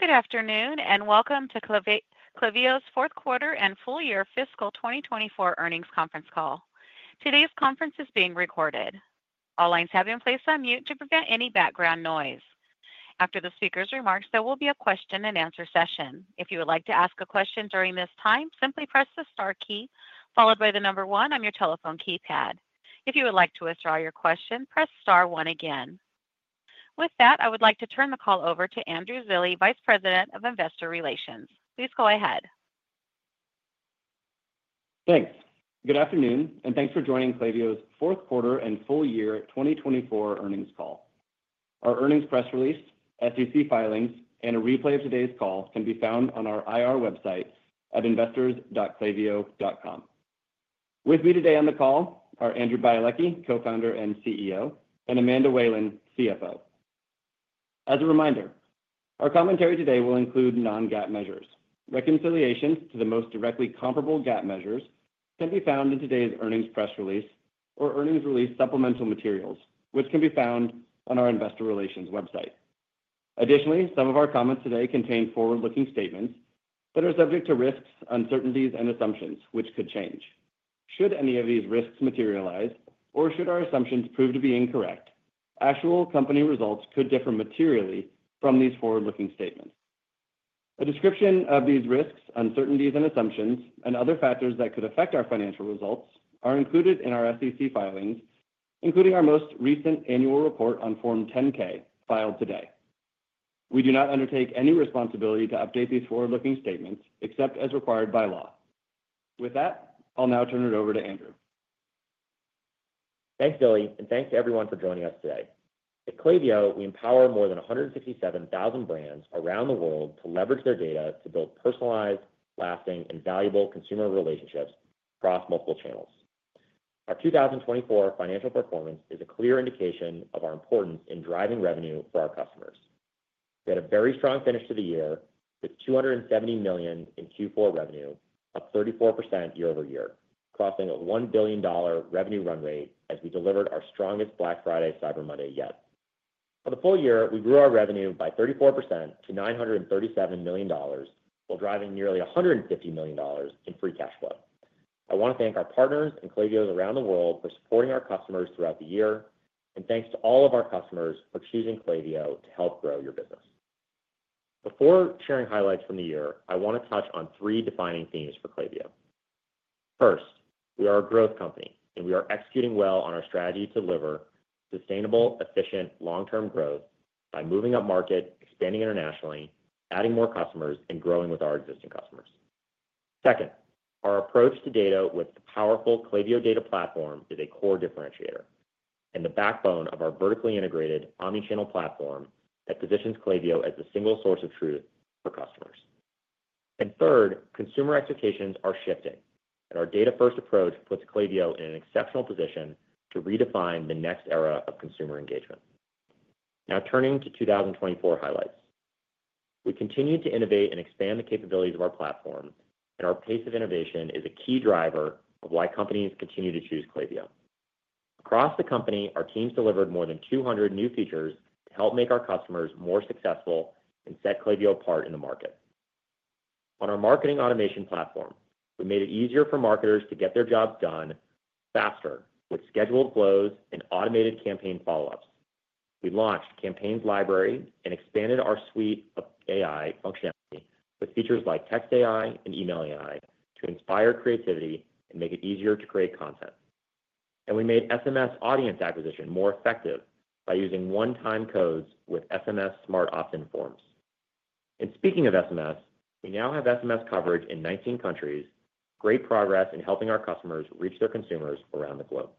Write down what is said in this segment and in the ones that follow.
Good afternoon and welcome to Klaviyo's Q4 and full year fiscal 2024 earnings conference call. Today's conference is being recorded. All lines have been placed on mute to prevent any background noise. After the speaker's remarks, there will be a question-and-answer session. If you would like to ask a question during this time, simply press the star key followed by the number one on your telephone keypad. If you would like to withdraw your question, press star one again. With that, I would like to turn the call over to Andrew Zilli, Vice President of Investor Relations. Please go ahead. Thanks. Good afternoon and thanks for joining Klaviyo's Q4 and full year 2024 earnings call. Our earnings press release, SEC filings, and a replay of today's call can be found on our IR website at investors.klaviyo.com. With me today on the call are Andrew Bialecki, Co-founder and CEO, and Amanda Whalen, CFO. As a reminder, our commentary today will include non-GAAP measures. Reconciliations to the most directly comparable GAAP measures can be found in today's earnings press release or earnings release supplemental materials, which can be found on our investor relations website. Additionally, some of our comments today contain forward-looking statements that are subject to risks, uncertainties, and assumptions, which could change. Should any of these risks materialize, or should our assumptions prove to be incorrect, actual company results could differ materially from these forward-looking statements. A description of these risks, uncertainties, and assumptions, and other factors that could affect our financial results are included in our SEC filings, including our most recent annual report on Form 10-K filed today. We do not undertake any responsibility to update these forward-looking statements except as required by law. With that, I'll now turn it over to Andrew. Thanks Zilli and thanks to everyone for joining us today. At Klaviyo, we empower more than 167,000 brands around the world to leverage their data to build personalized, lasting, and valuable consumer relationships across multiple channels. Our 2024 financial performance is a clear indication of our importance in driving revenue for our customers. We had a very strong finish to the year with $270 million in Q4 revenue, up 34% year-over-year, crossing a $1 billion revenue run rate as we delivered our strongest Black Friday Cyber Monday yet. For the full year, we grew our revenue by 34% to $937 million while driving nearly $150 million in free cash flow. I want to thank our partners and Klaviyans around the world for supporting our customers throughout the year, and thanks to all of our customers for choosing Klaviyo to help grow your business. Before sharing highlights from the year, I want to touch on three defining themes for Klaviyo. First, we are a growth company, and we are executing well on our strategy to deliver sustainable, efficient, long-term growth by moving up market, expanding internationally, adding more customers, and growing with our existing customers. Second, our approach to data with the powerful Klaviyo Data Platform is a core differentiator and the backbone of our vertically integrated omnichannel platform that positions Klaviyo as a single source of truth for customers. And third, consumer expectations are shifting, and our data-first approach puts Klaviyo in an exceptional position to redefine the next era of consumer engagement. Now, turning to 2024 highlights, we continue to innovate and expand the capabilities of our platform, and our pace of innovation is a key driver of why companies continue to choose Klaviyo. Across the company, our teams delivered more than 200 new features to help make our customers more successful and set Klaviyo apart in the market. On our marketing automation platform, we made it easier for marketers to get their jobs done faster with scheduled flows and automated campaign follow-ups. We launched a campaigns library and expanded our suite of AI functionality with features like Text AI and Email AI to inspire creativity and make it easier to create content. And we made SMS audience acquisition more effective by using one-time codes with SMS Smart Opt-in forms. Speaking of SMS, we now have SMS coverage in 19 countries, great progress in helping our customers reach their consumers around the globe.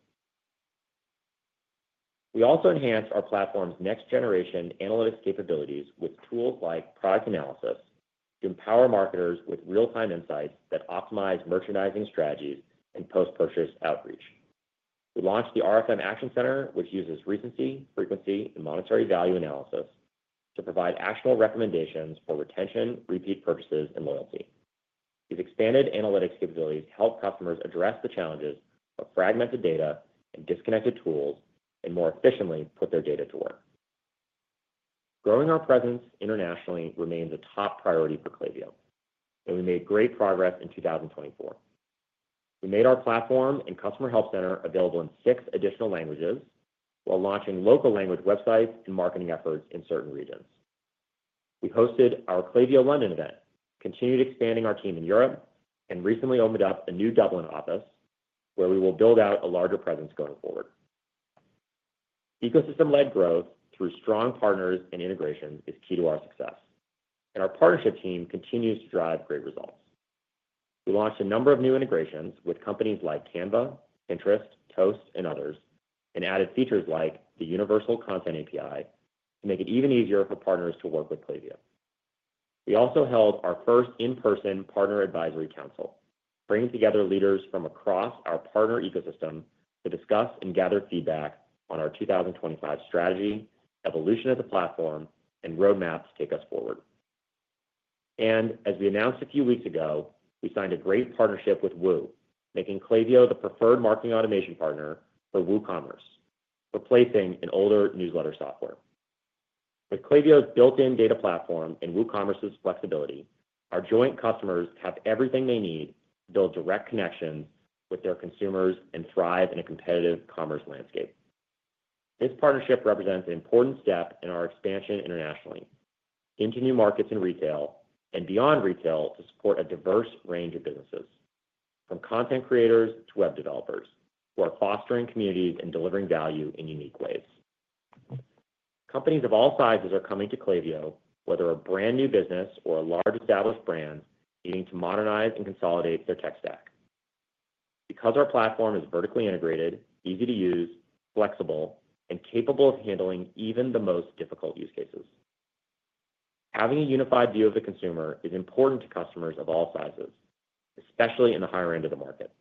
We also enhanced our platform's next-generation analytics capabilities with tools like product analysis to empower marketers with real-time insights that optimize merchandising strategies and post-purchase outreach. We launched the RFM Action Center, which uses recency, frequency, and monetary value analysis to provide actionable recommendations for retention, repeat purchases, and loyalty. These expanded analytics capabilities help customers address the challenges of fragmented data and disconnected tools and more efficiently put their data to work. Growing our presence internationally remains a top priority for Klaviyo, and we made great progress in 2024. We made our platform and customer help center available in six additional languages while launching local language websites and marketing efforts in certain regions. We hosted our Klaviyo London event, continued expanding our team in Europe, and recently opened up a new Dublin office where we will build out a larger presence going forward. Ecosystem-led growth through strong partners and integration is key to our success, and our partnership team continues to drive great results. We launched a number of new integrations with companies like Canva, Pinterest, Toast, and others, and added features like the Universal Content API to make it even easier for partners to work with Klaviyo. We also held our first in-person Partner Advisory Council, bringing together leaders from across our partner ecosystem to discuss and gather feedback on our 2025 strategy, evolution of the platform, and roadmaps to take us forward. And as we announced a few weeks ago, we signed a great partnership with Woo, making Klaviyo the preferred marketing automation partner for WooCommerce, replacing an older newsletter software. With Klaviyo's built-in data platform and WooCommerce's flexibility, our joint customers have everything they need to build direct connections with their consumers and thrive in a competitive commerce landscape. This partnership represents an important step in our expansion internationally into new markets in retail and beyond retail to support a diverse range of businesses, from content creators to web developers who are fostering communities and delivering value in unique ways. Companies of all sizes are coming to Klaviyo, whether a brand new business or a large established brand needing to modernize and consolidate their tech stack. Because our platform is vertically integrated, easy to use, flexible, and capable of handling even the most difficult use cases. Having a unified view of the consumer is important to customers of all sizes, especially in the higher end of the market.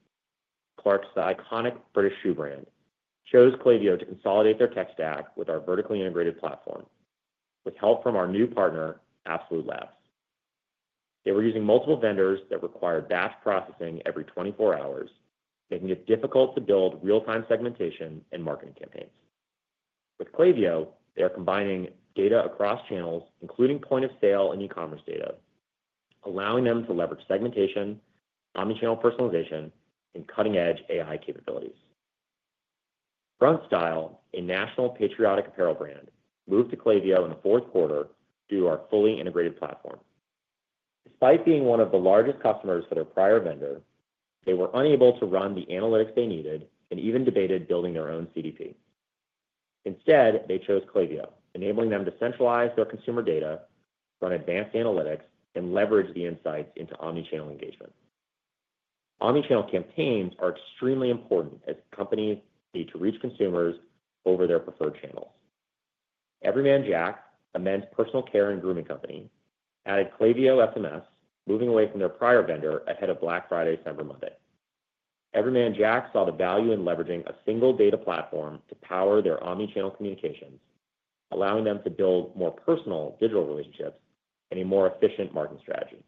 Clarks, the iconic British shoe brand, chose Klaviyo to consolidate their tech stack with our vertically integrated platform with help from our new partner, AbsoluteLabs. They were using multiple vendors that required batch processing every 24 hours, making it difficult to build real-time segmentation and marketing campaigns. With Klaviyo, they are combining data across channels, including point of sale and e-commerce data, allowing them to leverage segmentation, omnichannel personalization, and cutting-edge AI capabilities. Grunt Style, a national patriotic apparel brand, moved to Klaviyo in the Q4 due to our fully integrated platform. Despite being one of the largest customers for their prior vendor, they were unable to run the analytics they needed and even debated building their own CDP. Instead, they chose Klaviyo, enabling them to centralize their consumer data, run advanced analytics, and leverage the insights into omnichannel engagement. Omnichannel campaigns are extremely important as companies need to reach consumers over their preferred channels. Every Man Jack, a men's personal care and grooming company, added Klaviyo SMS, moving away from their prior vendor ahead of Black Friday Cyber Monday. Every Man Jack saw the value in leveraging a single data platform to power their omnichannel communications, allowing them to build more personal digital relationships and a more efficient marketing strategy.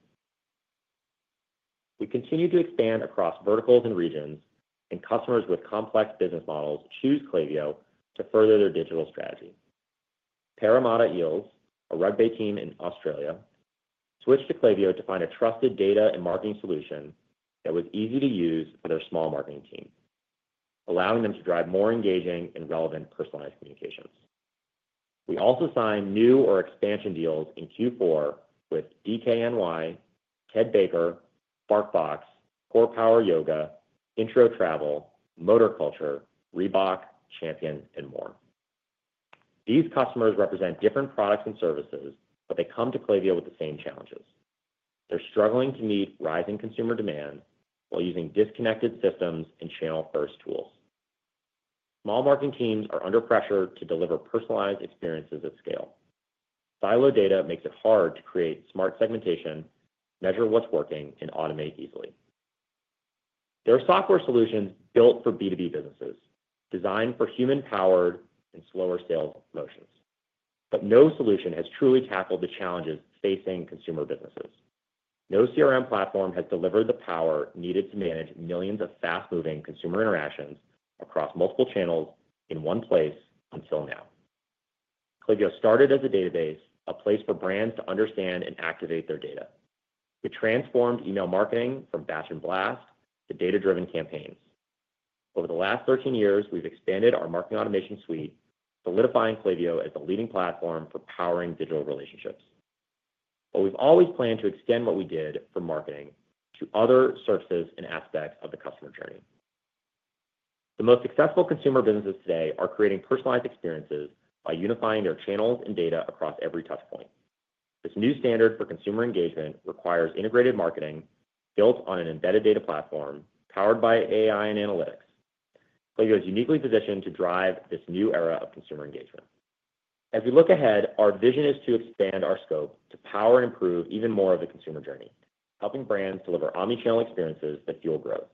We continue to expand across verticals and regions, and customers with complex business models choose Klaviyo to further their digital strategy. Parramatta Eels, a rugby team in Australia, switched to Klaviyo to find a trusted data and marketing solution that was easy to use for their small marketing team, allowing them to drive more engaging and relevant personalized communications. We also signed new or expansion deals in Q4 with DKNY, Ted Baker, BarkBox, CorePower Yoga, INTRO Travel, Motor Culture, Reebok, Champion, and more. These customers represent different products and services, but they come to Klaviyo with the same challenges. They're struggling to meet rising consumer demand while using disconnected systems and channel-first tools. Small marketing teams are under pressure to deliver personalized experiences at scale. Siloed data makes it hard to create smart segmentation, measure what's working, and automate easily. There are software solutions built for B2B businesses designed for human-powered and slower sales motions, but no solution has truly tackled the challenges facing consumer businesses. No CRM platform has delivered the power needed to manage millions of fast-moving consumer interactions across multiple channels in one place until now. Klaviyo started as a database, a place for brands to understand and activate their data. We transformed email marketing from batch and blast to data-driven campaigns. Over the last 13 years, we've expanded our marketing automation suite, solidifying Klaviyo as the leading platform for powering digital relationships. But we've always planned to extend what we did for marketing to other surfaces and aspects of the customer journey. The most successful consumer businesses today are creating personalized experiences by unifying their channels and data across every touchpoint. This new standard for consumer engagement requires integrated marketing built on an embedded data platform powered by AI and analytics. Klaviyo is uniquely positioned to drive this new era of consumer engagement. As we look ahead, our vision is to expand our scope to power and improve even more of the consumer journey, helping brands deliver omnichannel experiences that fuel growth.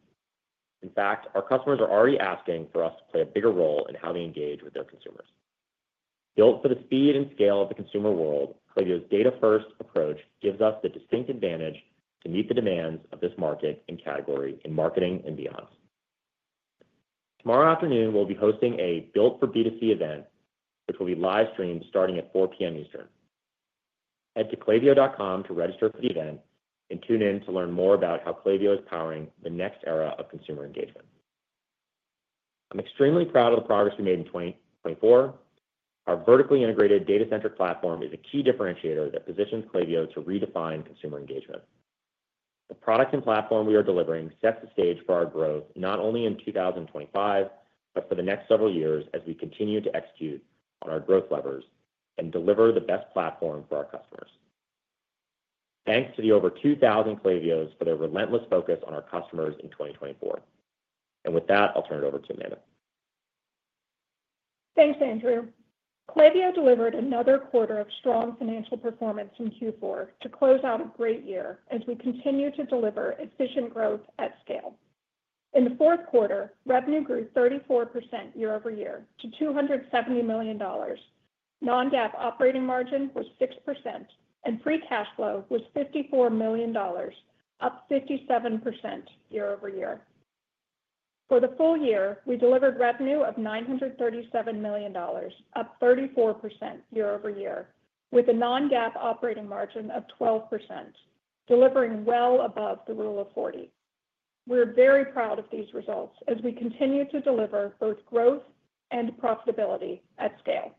In fact, our customers are already asking for us to play a bigger role in how they engage with their consumers. Built for the speed and scale of the consumer world, Klaviyo's data-first approach gives us the distinct advantage to meet the demands of this market and category in marketing and beyond. Tomorrow afternoon, we'll be hosting a Built for B2C event, which will be live-streamed starting at 4:00PM Eastern. Head to klaviyo.com to register for the event and tune in to learn more about how Klaviyo is powering the next era of consumer engagement. I'm extremely proud of the progress we made in 2024. Our vertically integrated data-centric platform is a key differentiator that positions Klaviyo to redefine consumer engagement. The product and platform we are delivering sets the stage for our growth not only in 2025, but for the next several years as we continue to execute on our growth levers and deliver the best platform for our customers. Thanks to the over 2,000 Klaviyos for their relentless focus on our customers in 2024, and with that, I'll turn it over to Amanda. Thanks, Andrew. Klaviyo delivered another quarter of strong financial performance in Q4 to close out a great year as we continue to deliver efficient growth at scale. In the Q4, revenue grew 34% year-over-year to $270 million. Non-GAAP operating margin was 6%, and free cash flow was $54 million, up 57% year-over-year. For the full year, we delivered revenue of $937 million, up 34% year-over-year, with a non-GAAP operating margin of 12%, delivering well above the Rule of 40. We're very proud of these results as we continue to deliver both growth and profitability at scale.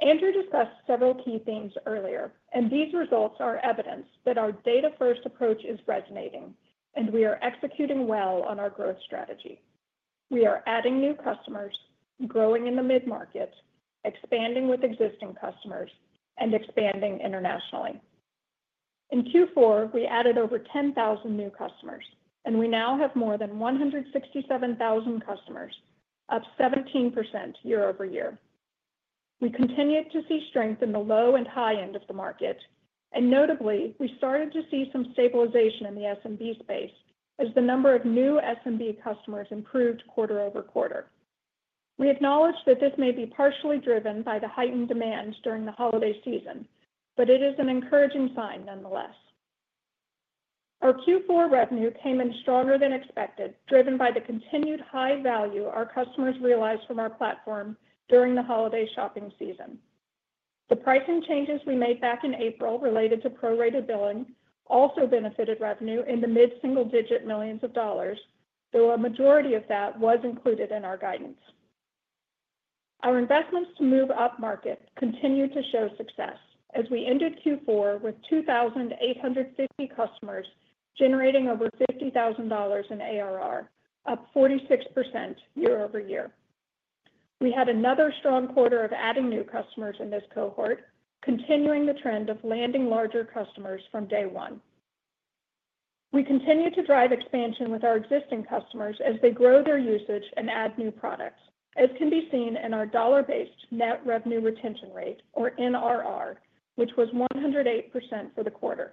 Andrew discussed several key themes earlier, and these results are evidence that our data-first approach is resonating and we are executing well on our growth strategy. We are adding new customers, growing in the mid-market, expanding with existing customers, and expanding internationally. In Q4, we added over 10,000 new customers, and we now have more than 167,000 customers, up 17% year-over-year. We continue to see strength in the low and high end of the market, and notably, we started to see some stabilization in the SMB space as the number of new SMB customers improved quarter over quarter. We acknowledge that this may be partially driven by the heightened demand during the holiday season, but it is an encouraging sign nonetheless. Our Q4 revenue came in stronger than expected. Driven by the continued high value, our customers realized from our platform during the holiday shopping season. The pricing changes we made back in April related to prorated billing also benefited revenue in the mid-single-digit millions of dollars, though a majority of that was included in our guidance. Our investments to move up market continued to show success as we ended Q4 with 2,850 customers generating over $50,000 in ARR, up 46% year-over-year. We had another strong quarter of adding new customers in this cohort, continuing the trend of landing larger customers from day one. We continue to drive expansion with our existing customers as they grow their usage and add new products, as can be seen in our dollar-based net revenue retention rate, or NRR, which was 108% for the quarter.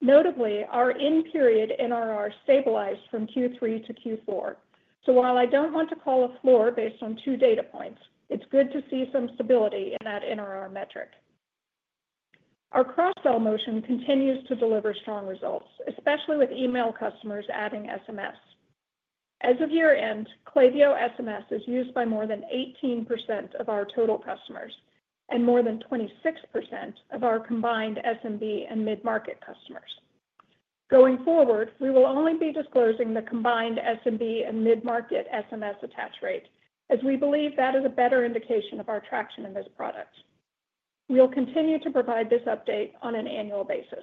Notably, our in-period NRR stabilized from Q3 to Q4, so while I don't want to call a floor based on two data points, it's good to see some stability in that NRR metric. Our cross-sell motion continues to deliver strong results, especially with email customers adding SMS. As of year-end, Klaviyo SMS is used by more than 18% of our total customers and more than 26% of our combined SMB and mid-market customers. Going forward, we will only be disclosing the combined SMB and mid-market SMS attach rate, as we believe that is a better indication of our traction in this product. We'll continue to provide this update on an annual basis.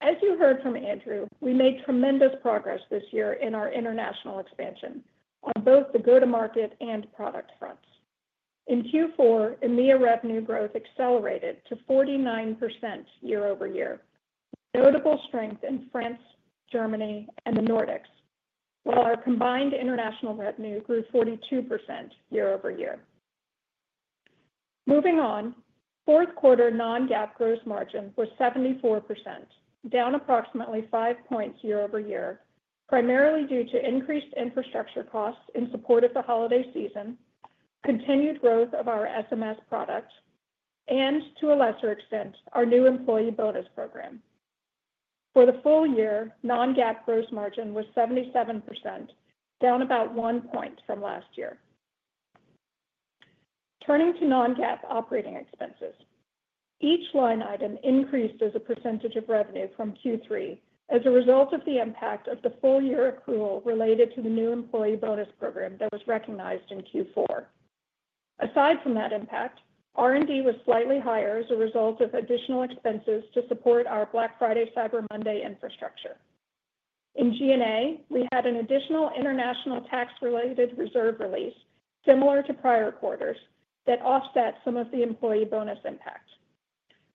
As you heard from Andrew, we made tremendous progress this year in our international expansion on both the go-to-market and product fronts. In Q4, EMEA revenue growth accelerated to 49% year-over-year, notable strength in France, Germany, and the Nordics, while our combined international revenue grew 42% year-over-year. Moving on, Q4 non-GAAP gross margin was 74%, down approximately 5 points year-over-year, primarily due to increased infrastructure costs in support of the holiday season, continued growth of our SMS product, and to a lesser extent, our new employee bonus program. For the full year, non-GAAP gross margin was 77%, down about 1 point from last year. Turning to non-GAAP operating expenses, each line item increased as a percentage of revenue from Q3 as a result of the impact of the full-year accrual related to the new employee bonus program that was recognized in Q4. Aside from that impact, R&D was slightly higher as a result of additional expenses to support our Black Friday Cyber Monday infrastructure. In G&A, we had an additional international tax-related reserve release, similar to prior quarters, that offset some of the employee bonus impact.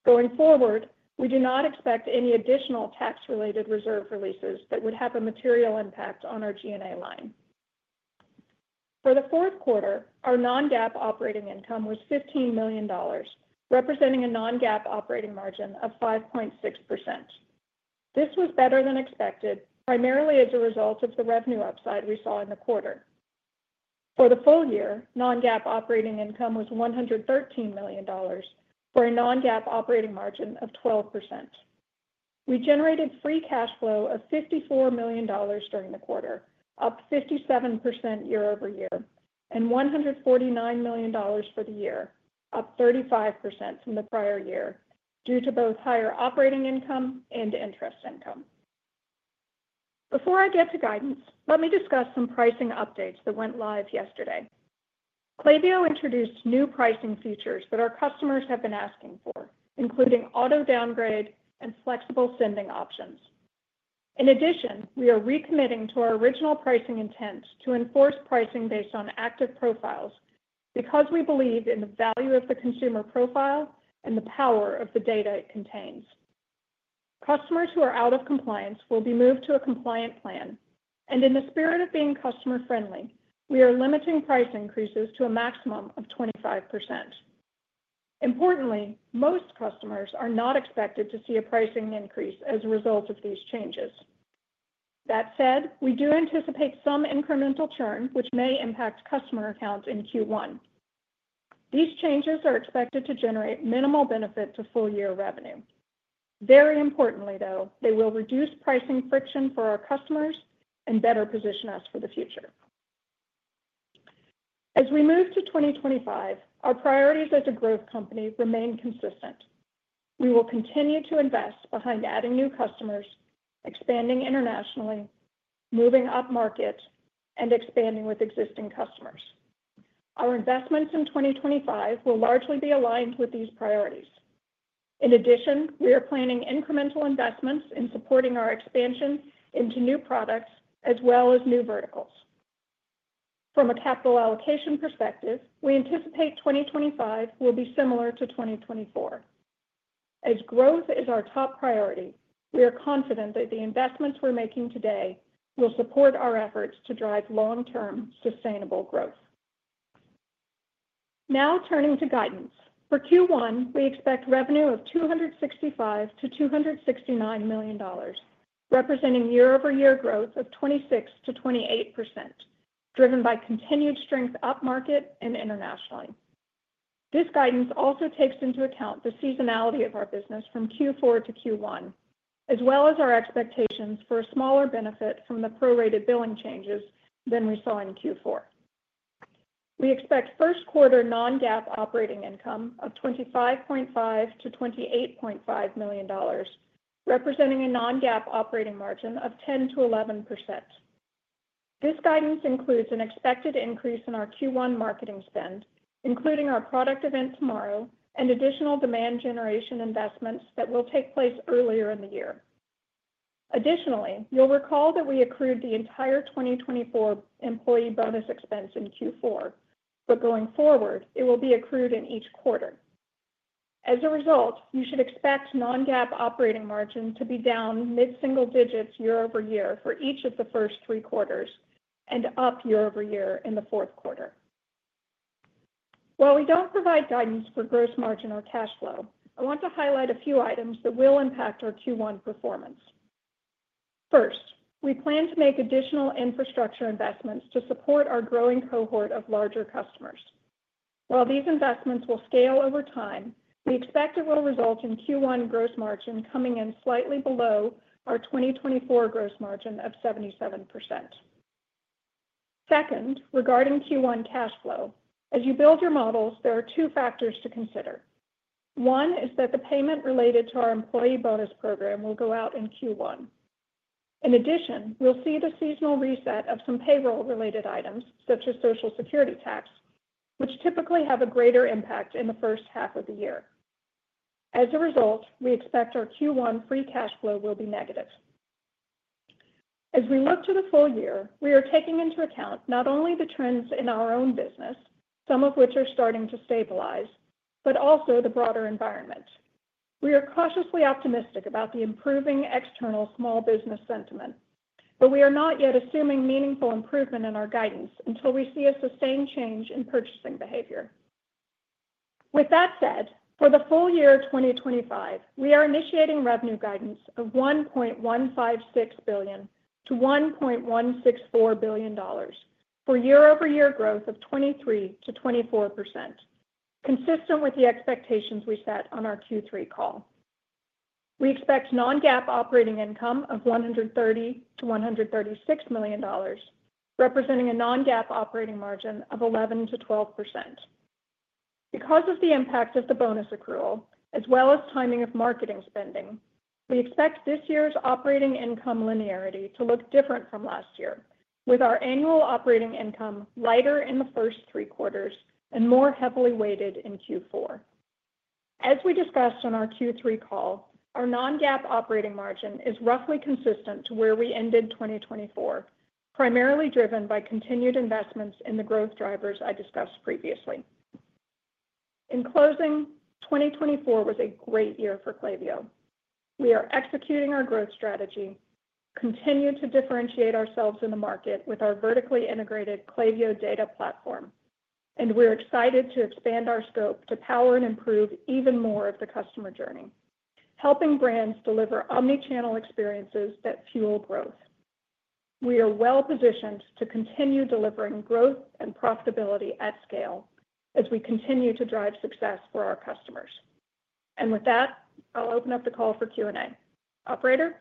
Going forward, we do not expect any additional tax-related reserve releases that would have a material impact on our G&A line. For the Q4, our Non-GAAP operating income was $15 million, representing a Non-GAAP operating margin of 5.6%. This was better than expected, primarily as a result of the revenue upside we saw in the quarter. For the full year, Non-GAAP operating income was $113 million, for a Non-GAAP operating margin of 12%. We generated free cash flow of $54 million during the quarter, up 57% year-over-year, and $149 million for the year, up 35% from the prior year due to both higher operating income and interest income. Before I get to guidance, let me discuss some pricing updates that went live yesterday. Klaviyo introduced new pricing features that our customers have been asking for, including auto downgrade and flexible sending options. In addition, we are recommitting to our original pricing intent to enforce pricing based on active profiles because we believe in the value of the consumer profile and the power of the data it contains. Customers who are out of compliance will be moved to a compliant plan, and in the spirit of being customer-friendly, we are limiting price increases to a maximum of 25%. Importantly, most customers are not expected to see a pricing increase as a result of these changes. That said, we do anticipate some incremental churn, which may impact customer accounts in Q1. These changes are expected to generate minimal benefit to full-year revenue. Very importantly, though, they will reduce pricing friction for our customers and better position us for the future. As we move to 2025, our priorities as a growth company remain consistent. We will continue to invest behind adding new customers, expanding internationally, moving up market, and expanding with existing customers. Our investments in 2025 will largely be aligned with these priorities. In addition, we are planning incremental investments in supporting our expansion into new products as well as new verticals. From a capital allocation perspective, we anticipate 2025 will be similar to 2024. As growth is our top priority, we are confident that the investments we're making today will support our efforts to drive long-term sustainable growth. Now turning to guidance. For Q1, we expect revenue of $265 to 269 million, representing year-over-year growth of 26% to 28%, driven by continued strength up market and internationally. This guidance also takes into account the seasonality of our business from Q4 to Q1, as well as our expectations for a smaller benefit from the prorated billing changes than we saw in Q4. We expect Q1 non-GAAP operating income of $25.5 to 28.5 million, representing a non-GAAP operating margin of 10% to 11%. This guidance includes an expected increase in our Q1 marketing spend, including our product event tomorrow and additional demand generation investments that will take place earlier in the year. Additionally, you'll recall that we accrued the entire 2024 employee bonus expense in Q4, but going forward, it will be accrued in each quarter. As a result, you should expect non-GAAP operating margin to be down mid-single digits year-over-year for each of the first three quarters and up year-over-year in the Q4. While we don't provide guidance for gross margin or cash flow, I want to highlight a few items that will impact our Q1 performance. First, we plan to make additional infrastructure investments to support our growing cohort of larger customers. While these investments will scale over time, we expect it will result in Q1 gross margin coming in slightly below our 2024 gross margin of 77%. Second, regarding Q1 cash flow, as you build your models, there are two factors to consider. One is that the payment related to our employee bonus program will go out in Q1. In addition, we'll see the seasonal reset of some payroll-related items, such as Social Security tax, which typically have a greater impact in the first half of the year. As a result, we expect our Q1 Free Cash Flow will be negative. As we look to the full year, we are taking into account not only the trends in our own business, some of which are starting to stabilize, but also the broader environment. We are cautiously optimistic about the improving external small business sentiment, but we are not yet assuming meaningful improvement in our guidance until we see a sustained change in purchasing behavior. With that said, for the full year 2025, we are initiating revenue guidance of $1.156 to 1.164 billion for year-over-year growth of 23% to 24%, consistent with the expectations we set on our Q3 call. We expect non-GAAP operating income of $130 to 136 million, representing a non-GAAP operating margin of 11% to 12%. Because of the impact of the bonus accrual, as well as timing of marketing spending, we expect this year's operating income linearity to look different from last year, with our annual operating income lighter in the first three quarters and more heavily weighted in Q4. As we discussed on our Q3 call, our non-GAAP operating margin is roughly consistent to where we ended 2024, primarily driven by continued investments in the growth drivers I discussed previously. In closing, 2024 was a great year for Klaviyo. We are executing our growth strategy, continue to differentiate ourselves in the market with our vertically integrated Klaviyo Data Platform. And we're excited to expand our scope to power and improve even more of the customer journey, helping brands deliver omnichannel experiences that fuel growth. We are well-positioned to continue delivering growth and profitability at scale as we continue to drive success for our customers. And with that, I'll open up the call for Q&A. Operator?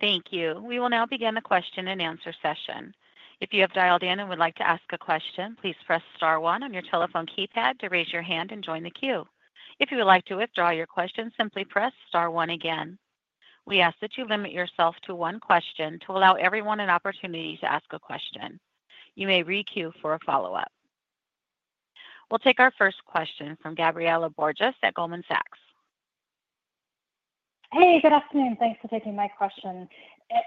Thank you. We will now begin the question and answer session. If you have dialed in and would like to ask a question, please press star one on your telephone keypad to raise your hand and join the queue. If you would like to withdraw your question, simply press star one again. We ask that you limit yourself to one question to allow everyone an opportunity to ask a question. You may re-queue for a follow-up. We'll take our first question from Gabriela Borges at Goldman Sachs. Hey, good afternoon. Thanks for taking my question.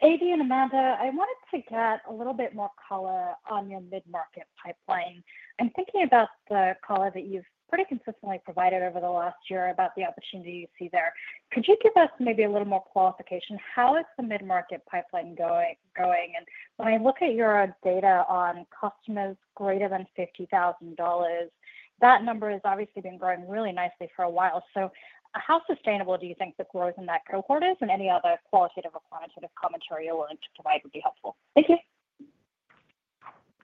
AB and Amanda, I wanted to get a little bit more color on your mid-market pipeline. I'm thinking about the color that you've pretty consistently provided over the last year about the opportunity you see there. Could you give us maybe a little more clarification? How is the mid-market pipeline going? When I look at your data on customers greater than $50,000, that number has obviously been growing really nicely for a while. So how sustainable do you think the growth in that cohort is? And any other qualitative or quantitative commentary you're willing to provide would be helpful. Thank you.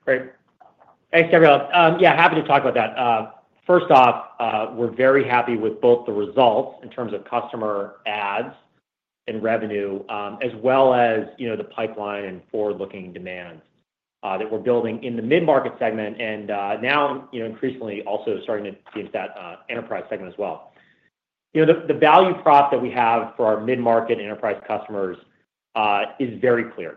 Great. Thanks, Gabriela. Yeah, happy to talk about that. First off, we're very happy with both the results in terms of customer adds and revenue, as well as the pipeline and forward-looking demand that we're building in the mid-market segment and now increasingly also starting to be into that enterprise segment as well. The value prop that we have for our mid-market enterprise customers is very clear.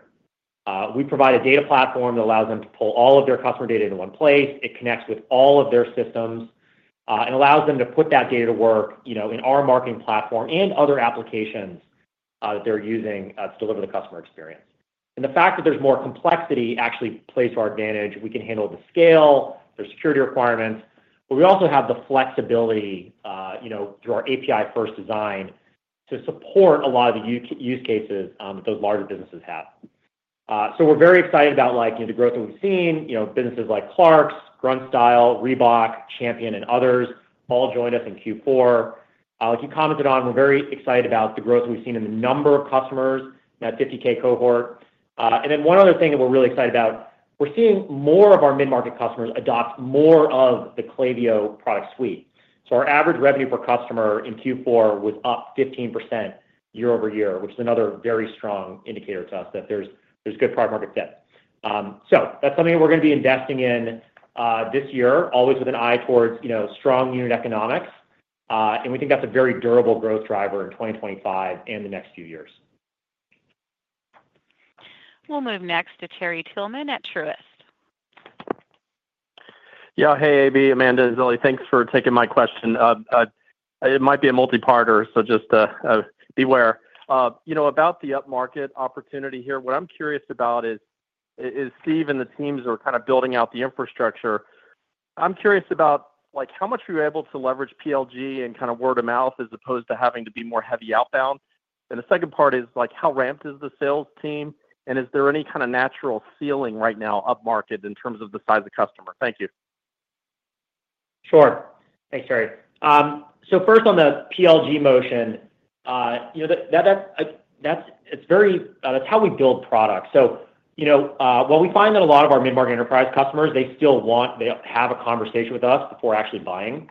We provide a data platform that allows them to pull all of their customer data into one place. It connects with all of their systems and allows them to put that data to work in our marketing platform and other applications that they're using to deliver the customer experience. The fact that there's more complexity actually plays to our advantage. We can handle the scale, their security requirements. We also have the flexibility through our API-first design to support a lot of the use cases that those larger businesses have. We're very excited about the growth that we've seen. Businesses like Clarks, Grunt Style, Reebok, Champion, and others all joined us in Q4. Like you commented on, we're very excited about the growth we've seen in the number of customers in that 50K cohort. One other thing that we're really excited about is we're seeing more of our mid-market customers adopt more of the Klaviyo product suite. So our average revenue per customer in Q4 was up 15% year-over-year, which is another very strong indicator to us that there's good product market fit. So that's something that we're going to be investing in this year, always with an eye towards strong unit economics. And we think that's a very durable growth driver in 2025 and the next few years. We'll move next to Terry Tillman at Truist. Yeah, hey, AB, Amanda, and Zilli. Thanks for taking my question. It might be a multi-parter, so just beware. About the up-market opportunity here, what I'm curious about is even the teams that are kind of building out the infrastructure. I'm curious about how much you're able to leverage PLG and kind of word of mouth as opposed to having to be more heavily outbound. And the second part is how ramped is the sales team? Is there any kind of natural ceiling right now up-market in terms of the size of customer? Thank you. Sure. Thanks, Terry. First, on the PLG motion. That's how we build products. While we find that a lot of our mid-market enterprise customers, they still want. They have a conversation with us before actually buying.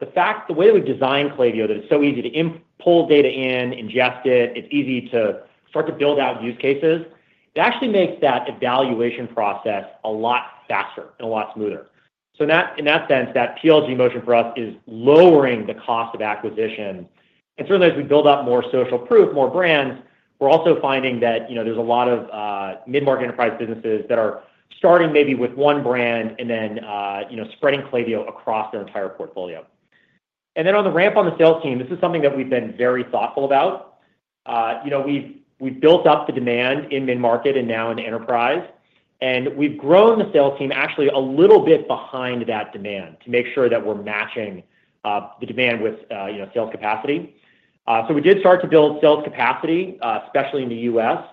The way that we design Klaviyo is that it's so easy to pull data in, ingest it. It's easy to start to build out use cases. It actually makes that evaluation process a lot faster and a lot smoother. In that sense, that PLG motion for us is lowering the cost of acquisition. Certainly, as we build up more social proof, more brands, we're also finding that there's a lot of mid-market enterprise businesses that are starting maybe with one brand and then spreading Klaviyo across their entire portfolio. Then on the ramp on the sales team, this is something that we've been very thoughtful about. We've built up the demand in mid-market and now in enterprise. We've grown the sales team actually a little bit behind that demand to make sure that we're matching the demand with sales capacity. We did start to build sales capacity, especially in the US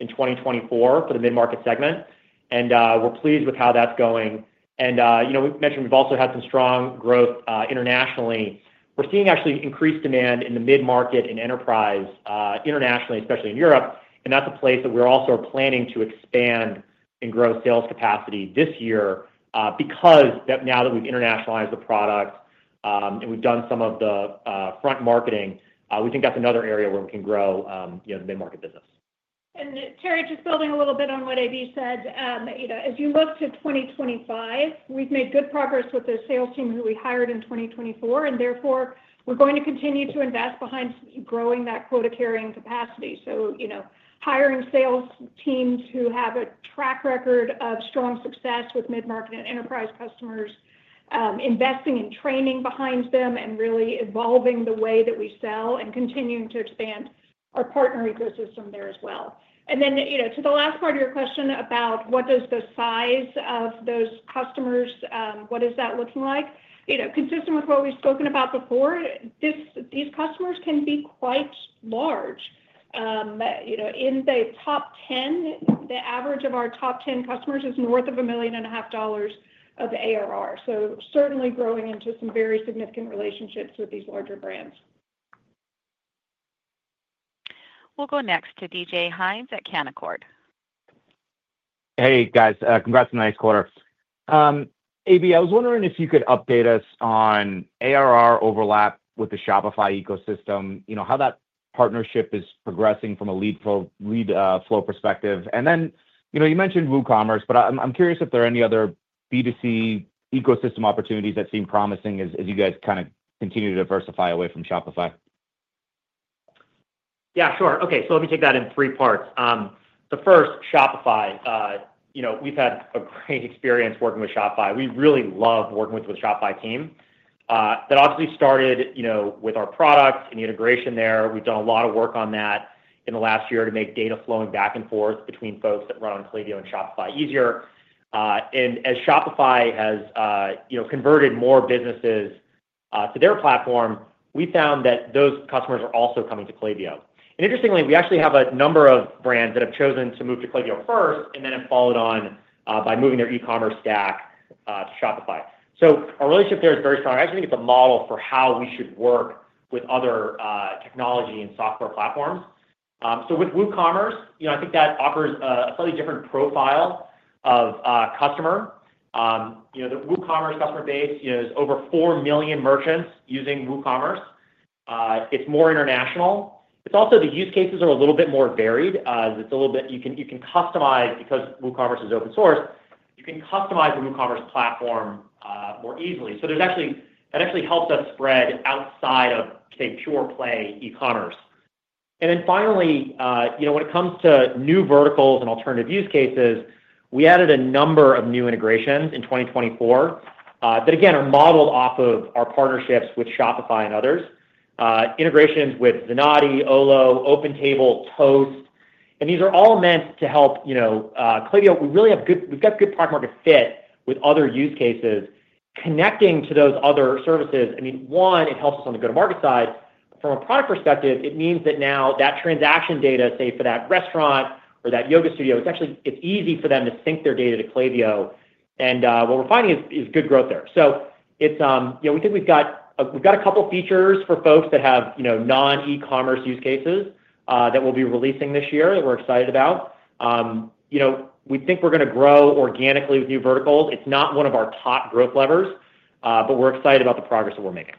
in 2024 for the mid-market segment. We're pleased with how that's going. We mentioned we've also had some strong growth internationally. We're seeing actually increased demand in the mid-market and enterprise internationally, especially in Europe. That's a place that we're also planning to expand and grow sales capacity this year because now that we've internationalized the product and we've done some of the front marketing, we think that's another area where we can grow the mid-market business. Terry, just building a little bit on what AB said, as you look to 2025, we've made good progress with the sales team who we hired in 2024. Therefore, we're going to continue to invest behind growing that quota-carrying capacity. Hiring sales teams who have a track record of strong success with mid-market and enterprise customers, investing in training behind them and really evolving the way that we sell and continuing to expand our partner ecosystem there as well. Then to the last part of your question about what does the size of those customers, what is that looking like? Consistent with what we've spoken about before, these customers can be quite large. In the top 10, the average of our top 10 customers is north of $1.5 million of ARR. Certainly growing into some very significant relationships with these larger brands. We'll go next to DJ Hynes at Canaccord. Hey, guys. Congrats on the nice quarter. AB, I was wondering if you could update us on ARR overlap with the Shopify ecosystem, how that partnership is progressing from a lead flow perspective. And then you mentioned WooCommerce, but I'm curious if there are any other B2C ecosystem opportunities that seem promising as you guys kind of continue to diversify away from Shopify. Yeah, sure. Okay, so let me take that in three parts. The first, Shopify. We've had a great experience working with Shopify. We really love working with the Shopify team. That obviously started with our product and the integration there. We've done a lot of work on that in the last year to make data flowing back and forth between folks that run on Klaviyo and Shopify easier, and as Shopify has converted more businesses to their platform, we found that those customers are also coming to Klaviyo. Interestingly, we actually have a number of brands that have chosen to move to Klaviyo first and then have followed on by moving their e-commerce stack to Shopify. So our relationship there is very strong. I actually think it's a model for how we should work with other technology and software platforms. With WooCommerce, I think that offers a slightly different profile of customer. The WooCommerce customer base is over four million merchants using WooCommerce. It's more international. It's also the use cases are a little bit more varied. It's a little bit you can customize because WooCommerce is open source, you can customize the WooCommerce platform more easily. So that actually helps us spread outside of, say, pure play e-commerce. And then finally, when it comes to new verticals and alternative use cases, we added a number of new integrations in 2024. That, again, are modeled off of our partnerships with Shopify and others. Integrations with Zenoti, Olo, OpenTable, Toast. And these are all meant to help Klaviyo. We really have good. We've got good product market fit with other use cases. Connecting to those other services, I mean, one, it helps us on the go-to-market side. From a product perspective, it means that now that transaction data, say, for that restaurant or that yoga studio, it's easy for them to sync their data to Klaviyo. And what we're finding is good growth there. We think we've got a couple of features for folks that have non-e-commerce use cases that we'll be releasing this year that we're excited about. We think we're going to grow organically with new verticals. It's not one of our top growth levers, but we're excited about the progress that we're making.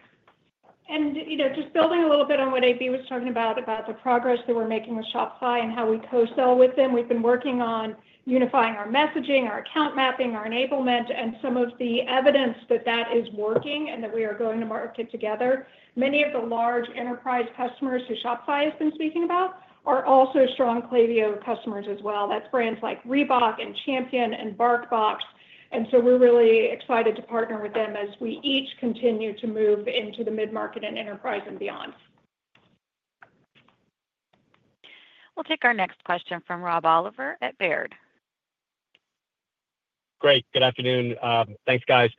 Just building a little bit on what AB was talking about, about the progress that we're making with Shopify and how we co-sell with them. We've been working on unifying our messaging, our account mapping, our enablement, and some of the evidence that that is working and that we are going to market together. Many of the large enterprise customers who Shopify has been speaking about are also strong Klaviyo customers as well. That's brands like Reebok and Champion and BarkBox. And so we're really excited to partner with them as we each continue to move into the mid-market and enterprise and beyond. We'll take our next question from Rob Oliver at Baird. Great. Good afternoon. Thanks, guys.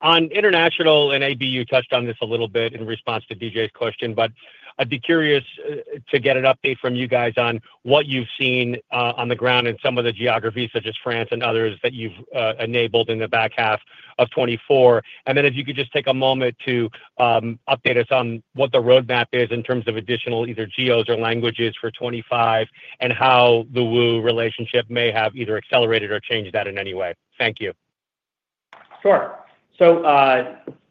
On international, and AB touched on this a little bit in response to DJ's question, but I'd be curious to get an update from you guys on what you've seen on the ground in some of the geographies, such as France and others, that you've enabled in the back half of 2024. And then if you could just take a moment to update us on what the roadmap is in terms of additional either geos or languages for 2025 and how the Woo relationship may have either accelerated or changed that in any way. Thank you. Sure. So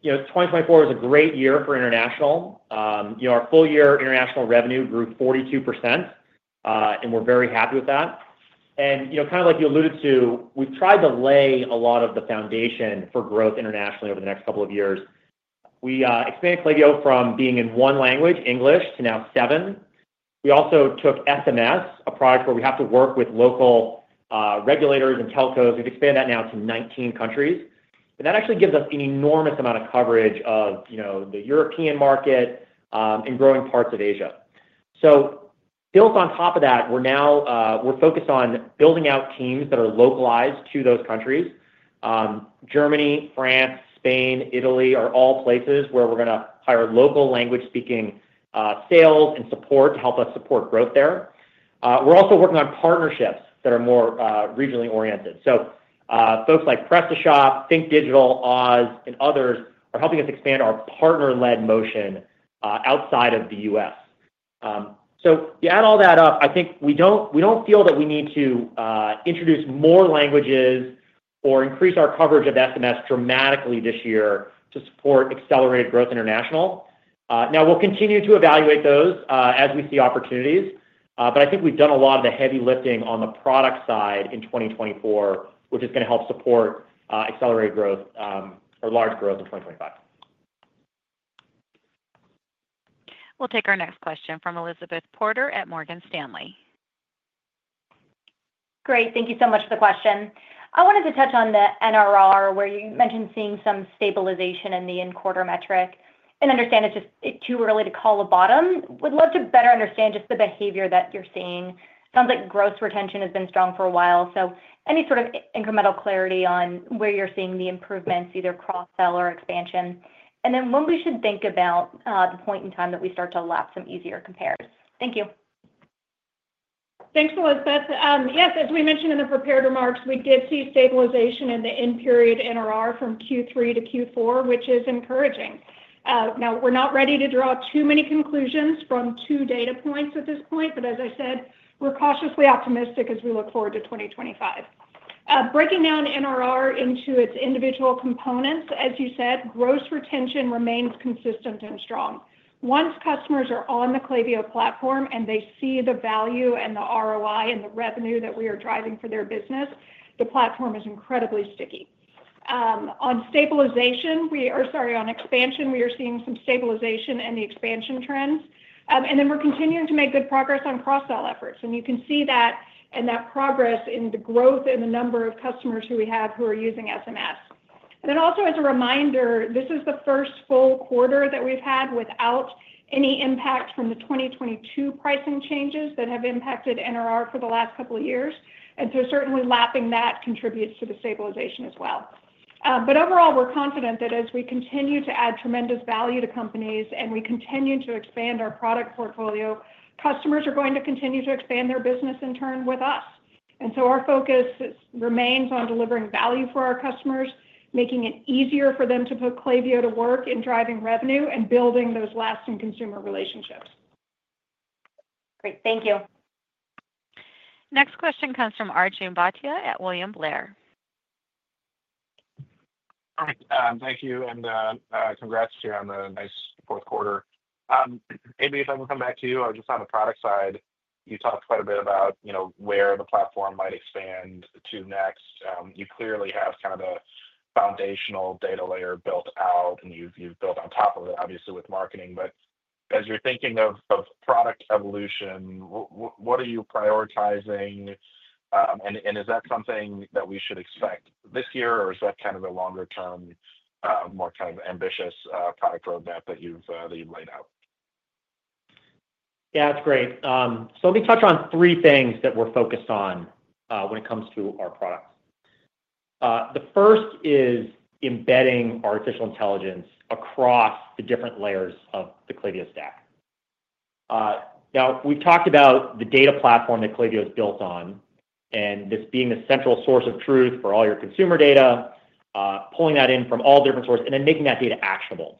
2024 was a great year for international. Our full-year international revenue grew 42%, and we're very happy with that. And kind of like you alluded to, we've tried to lay a lot of the foundation for growth internationally over the next couple of years. We expanded Klaviyo from being in one language, English, to now seven. We also took SMS, a product where we have to work with local regulators and telcos. We've expanded that now to 19 countries. And that actually gives us an enormous amount of coverage of the European market and growing parts of Asia, so built on top of that, we're focused on building out teams that are localized to those countries. Germany, France, Spain, Italy are all places where we're going to hire local language-speaking sales and support to help us support growth there. We're also working on partnerships that are more regionally oriented. So folks like PrestaShop, Think Digital, Oz, and others are helping us expand our partner-led motion outside of the US. So you add all that up, I think we don't feel that we need to introduce more languages or increase our coverage of SMS dramatically this year to support accelerated growth international. Now, we'll continue to evaluate those as we see opportunities. But I think we've done a lot of the heavy lifting on the product side in 2024, which is going to help support accelerated growth or large growth in 2025. We'll take our next question from Elizabeth Porter at Morgan Stanley. Great. Thank you so much for the question. I wanted to touch on the NRR, where you mentioned seeing some stabilization in the end quarter metric. And I understand it's just too early to call a bottom. Would love to better understand just the behavior that you're seeing. Sounds like gross retention has been strong for a while. So any sort of incremental clarity on where you're seeing the improvements, either cross-sell or expansion? And then when we should think about the point in time that we start to lap some easier compares. Thank you. Thanks, Elizabeth. Yes, as we mentioned in the prepared remarks, we did see stabilization in the end period NRR from Q3 to Q4, which is encouraging. Now, we're not ready to draw too many conclusions from two data points at this point, but as I said, we're cautiously optimistic as we look forward to 2025. Breaking down NRR into its individual components, as you said, gross retention remains consistent and strong. Once customers are on the Klaviyo platform and they see the value and the ROI and the revenue that we are driving for their business, the platform is incredibly sticky. On stabilization, we are, sorry, on expansion, we are seeing some stabilization in the expansion trends. And then we're continuing to make good progress on cross-sell efforts. And you can see that and that progress in the growth and the number of customers who we have who are using SMS. And then also, as a reminder, this is the first full quarter that we've had without any impact from the 2022 pricing changes that have impacted NRR for the last couple of years. And so certainly, lapping that contributes to the stabilization as well. But overall, we're confident that as we continue to add tremendous value to companies and we continue to expand our product portfolio, customers are going to continue to expand their business in turn with us. And so our focus remains on delivering value for our customers, making it easier for them to put Klaviyo to work in driving revenue and building those lasting consumer relationships. Great. Thank you. Next question comes from Arjun Bhatia at William Blair. Thank you. And congrats here on the nice Q4. AB, if I can come back to you, I just on the product side, you talked quite a bit about where the platform might expand to next. You clearly have kind of a foundational data layer built out, and you've built on top of it, obviously, with marketing. But as you're thinking of product evolution, what are you prioritizing? And is that something that we should expect this year, or is that kind of a longer-term, more kind of ambitious product roadmap that you've laid out? Yeah, that's great. So let me touch on three things that we're focused on when it comes to our products. The first is embedding artificial intelligence across the different layers of the Klaviyo stack. Now, we've talked about the data platform that Klaviyo is built on and this being the central source of truth for all your consumer data, pulling that in from all different sources, and then making that data actionable.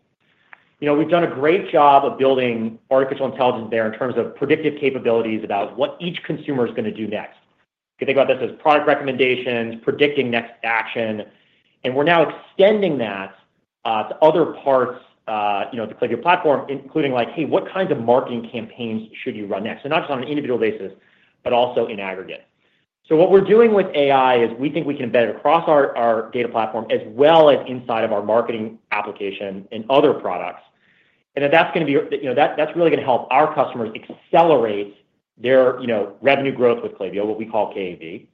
We've done a great job of building artificial intelligence there in terms of predictive capabilities about what each consumer is going to do next. You can think about this as product recommendations, predicting next action. And we're now extending that to other parts of the Klaviyo platform, including like, "Hey, what kinds of marketing campaigns should you run next?" So not just on an individual basis, but also in aggregate. So what we're doing with AI is we think we can embed it across our data platform as well as inside of our marketing application and other products. And that's going to be, that's really going to help our customers accelerate their revenue growth with Klaviyo, what we call KAV.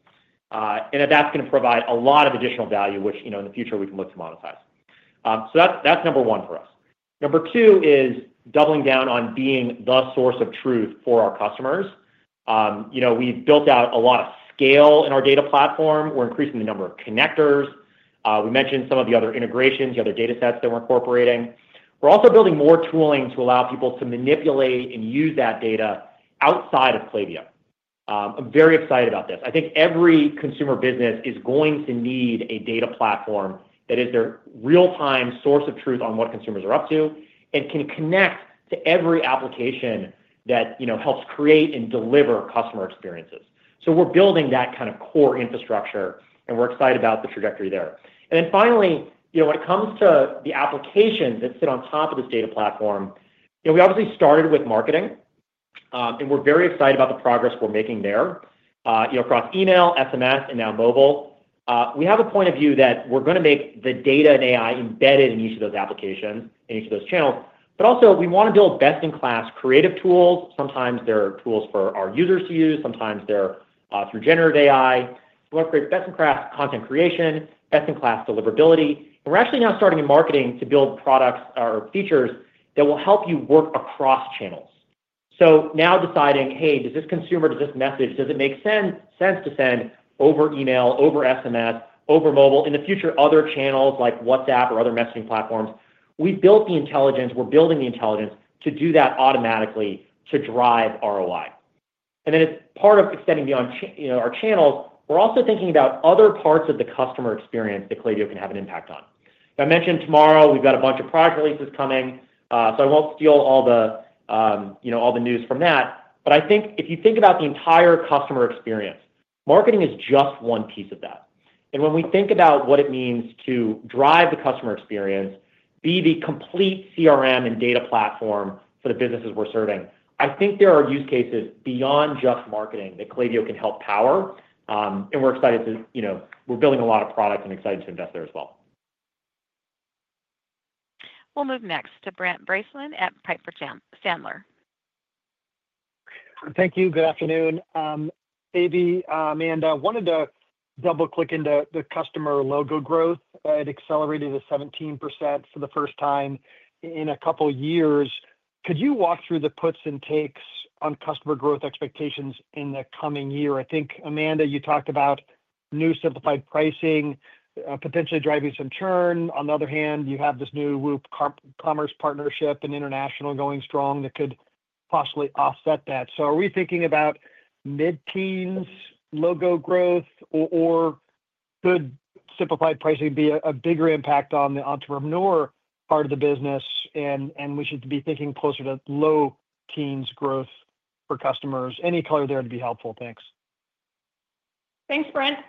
And that's going to provide a lot of additional value, which in the future we can look to monetize. So that's number one for us. Number two is doubling down on being the source of truth for our customers. We've built out a lot of scale in our data platform. We're increasing the number of connectors. We mentioned some of the other integrations, the other data sets that we're incorporating. We're also building more tooling to allow people to manipulate and use that data outside of Klaviyo. I'm very excited about this. I think every consumer business is going to need a data platform that is their real-time source of truth on what consumers are up to and can connect to every application that helps create and deliver customer experiences. So we're building that kind of core infrastructure, and we're excited about the trajectory there. And then finally, when it comes to the applications that sit on top of this data platform, we obviously started with marketing, and we're very excited about the progress we're making there across email, SMS, and now mobile. We have a point of view that we're going to make the data and AI embedded in each of those applications and each of those channels. But also, we want to build best-in-class creative tools. Sometimes they're tools for our users to use. Sometimes they're through generate AI. We want to create best-in-class content creation, best-in-class deliverability. We're actually now starting in marketing to build products or features that will help you work across channels. Now deciding, "Hey, does this consumer, does this message, does it make sense to send over email, over SMS, over mobile, in the future, other channels like WhatsApp or other messaging platforms?" We've built the intelligence. We're building the intelligence to do that automatically to drive ROI. As part of extending beyond our channels, we're also thinking about other parts of the customer experience that Klaviyo can have an impact on. I mentioned tomorrow we've got a bunch of product releases coming, so I won't steal all the news from that. I think if you think about the entire customer experience, marketing is just one piece of that. When we think about what it means to drive the customer experience, be the complete CRM and data platform for the businesses we're serving, I think there are use cases beyond just marketing that Klaviyo can help power. We're excited to. We're building a lot of product and excited to invest there as well. We'll move next to Brent Bracelin at Piper Sandler. Thank you. Good afternoon. AB, Amanda, I wanted to double-click into the customer logo growth. It accelerated to 17% for the first time in a couple of years. Could you walk through the puts and takes on customer growth expectations in the coming year? I think, Amanda, you talked about new simplified pricing potentially driving some churn. On the other hand, you have this new WooCommerce partnership and international going strong that could possibly offset that. So are we thinking about mid-teens logo growth, or could simplified pricing be a bigger impact on the entrepreneur part of the business, and we should be thinking closer to low-teens growth for customers? Any color there would be helpful. Thanks. Thanks, Brent.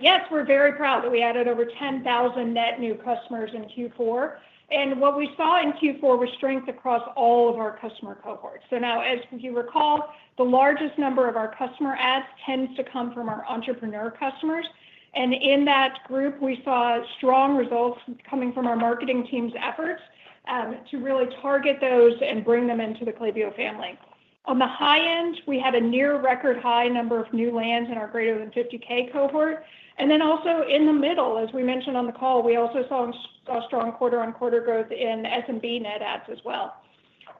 Yes, we're very proud that we added over 10,000 net new customers in Q4. And what we saw in Q4 was strength across all of our customer cohorts. So now, as you recall, the largest number of our customer adds tends to come from our entrepreneur customers. And in that group, we saw strong results coming from our marketing team's efforts to really target those and bring them into the Klaviyo family. On the high end, we had a near record high number of new lands in our greater than 50K cohort. And then also in the middle, as we mentioned on the call, we also saw strong quarter on quarter growth in SMB net adds as well.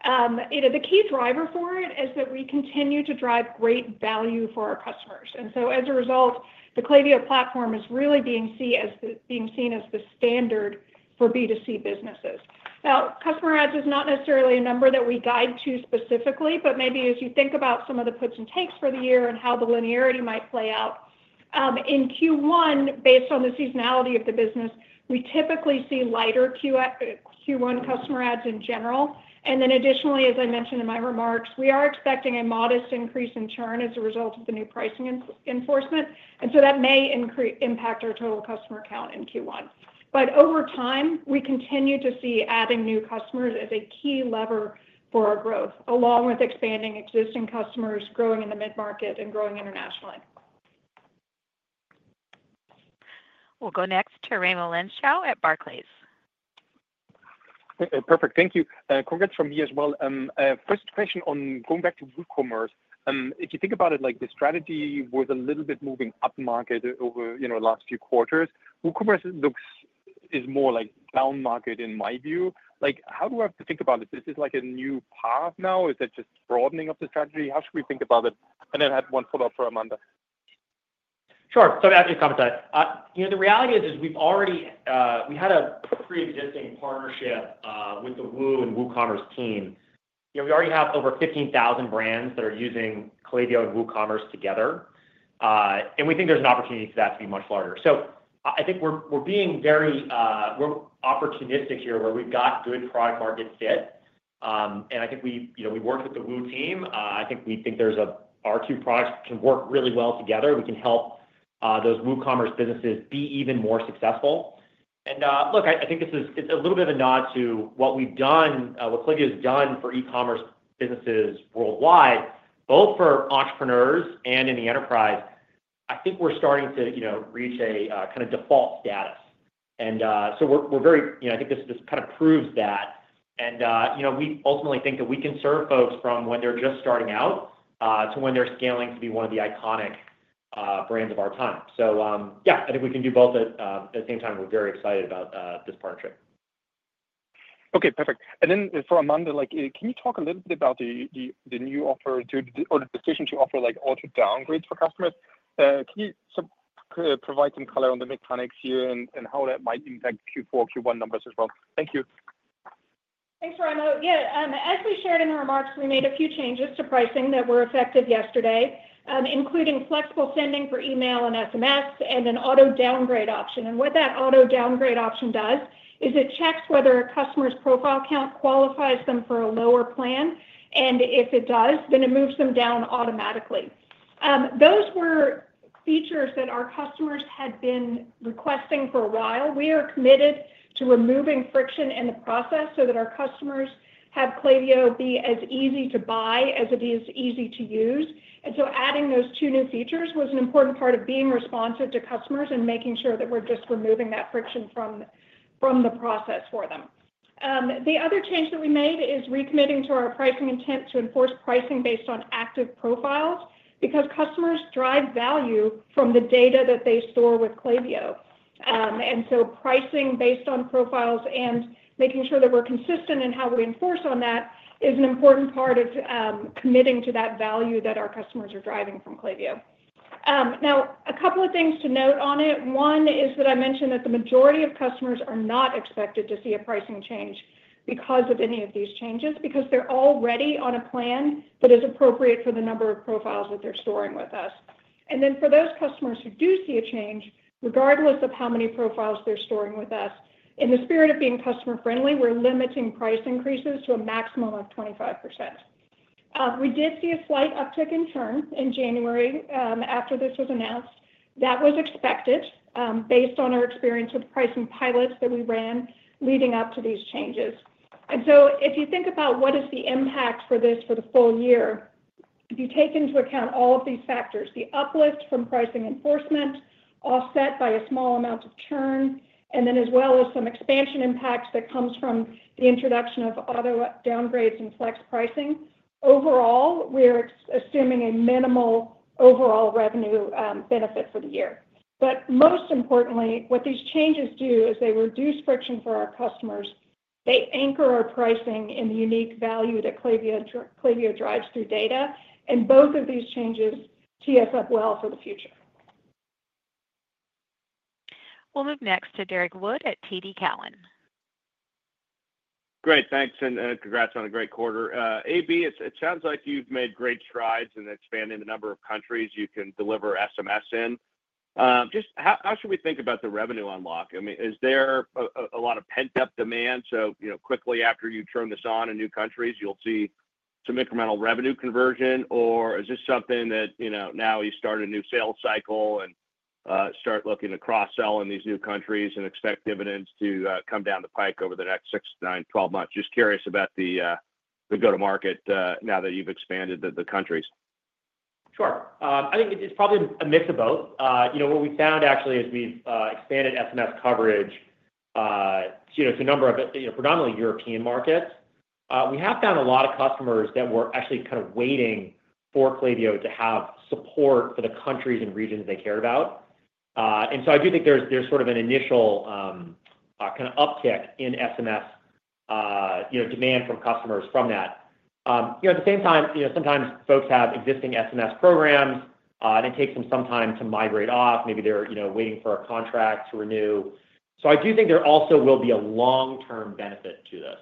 The key driver for it is that we continue to drive great value for our customers. And so, as a result, the Klaviyo platform is really being seen as the standard for B2C businesses. Now, customer adds is not necessarily a number that we guide to specifically, but maybe as you think about some of the puts and takes for the year and how the linearity might play out. In Q1, based on the seasonality of the business, we typically see lighter Q1 customer adds in general. And then additionally, as I mentioned in my remarks, we are expecting a modest increase in churn as a result of the new pricing enforcement. And so that may impact our total customer count in Q1. But over time, we continue to see adding new customers as a key lever for our growth, along with expanding existing customers, growing in the mid-market, and growing internationally. We'll go next to Raimo Lenschow at Barclays. Perfect. Thank you. Congrats from me as well. First question on going back to WooCommerce. If you think about it, the strategy was a little bit moving upmarket over the last few quarters. WooCommerce looks is more like downmarket in my view. How do I have to think about it? Is this like a new path now? Is it just broadening of the strategy? How should we think about it? And then I had one follow-up for Amanda. Sure. Sorry I need to comment that. The reality is we've had a pre-existing partnership with the Woo and WooCommerce team. We already have over 15,000 brands that are using Klaviyo and WooCommerce together. We think there's an opportunity for that to be much larger. So I think we're being very opportunistic here, where we've got good product-market fit. And I think we worked with the Woo team. I think we think our two products can work really well together. We can help those WooCommerce businesses be even more successful. And look, I think this is a little bit of a nod to what we've done, what Klaviyo has done for e-commerce businesses worldwide, both for entrepreneurs and in the enterprise. I think we're starting to reach a kind of default status. And so we're very. I think this kind of proves that. And we ultimately think that we can serve folks from when they're just starting out to when they're scaling to be one of the iconic brands of our time. So yeah, I think we can do both at the same time. We're very excited about this partnership. Okay. Perfect. And then for Amanda, can you talk a little bit about the new offer or the decision to offer auto downgrades for customers? Can you provide some color on the mechanics here and how that might impact Q4, Q1 numbers as well? Thank you. Thanks, Raimo. Yeah. As we shared in the remarks, we made a few changes to pricing that were effective yesterday, including flexible sending for email and SMS and an auto downgrade option. And what that auto downgrade option does is it checks whether a customer's profile count qualifies them for a lower plan. And if it does, then it moves them down automatically. Those were features that our customers had been requesting for a while. We are committed to removing friction in the process so that our customers have Klaviyo be as easy to buy as it is easy to use. And so adding those two new features was an important part of being responsive to customers and making sure that we're just removing that friction from the process for them. The other change that we made is recommitting to our pricing intent to enforce pricing based on active profiles because customers drive value from the data that they store with Klaviyo. And so pricing based on profiles and making sure that we're consistent in how we enforce on that is an important part of committing to that value that our customers are driving from Klaviyo. Now, a couple of things to note on it. One is that I mentioned that the majority of customers are not expected to see a pricing change because of any of these changes because they're already on a plan that is appropriate for the number of profiles that they're storing with us. And then for those customers who do see a change, regardless of how many profiles they're storing with us, in the spirit of being customer-friendly, we're limiting price increases to a maximum of 25%. We did see a slight uptick in churn in January after this was announced. That was expected based on our experience with pricing pilots that we ran leading up to these changes. And so if you think about what is the impact for this for the full year, if you take into account all of these factors, the uplift from pricing enforcement, offset by a small amount of churn, and then as well as some expansion impacts that come from the introduction of auto downgrades and flex pricing. Overall, we're assuming a minimal overall revenue benefit for the year. But most importantly, what these changes do is they reduce friction for our customers. They anchor our pricing in the unique value that Klaviyo drives through data. And both of these changes tee us up well for the future. We'll move next to Derrick Wood at TD Cowen. Great. Thanks. And congrats on a great quarter. AB, it sounds like you've made great strides in expanding the number of countries you can deliver SMS in. Just how should we think about the revenue unlock? I mean, is there a lot of pent-up demand? So quickly after you turn this on in new countries, you'll see some incremental revenue conversion, or is this something that now you start a new sales cycle and start looking to cross-sell in these new countries and expect dividends to come down the pike over the next six, nine, 12 months? Just curious about the go-to-market now that you've expanded the countries. Sure. I think it's probably a mix of both. What we found actually as we've expanded SMS coverage to a number of predominantly European markets, we have found a lot of customers that were actually kind of waiting for Klaviyo to have support for the countries and regions they care about. So I do think there's sort of an initial kind of uptick in SMS demand from customers from that. At the same time, sometimes folks have existing SMS programs, and it takes them some time to migrate off. Maybe they're waiting for a contract to renew. So I do think there also will be a long-term benefit to this.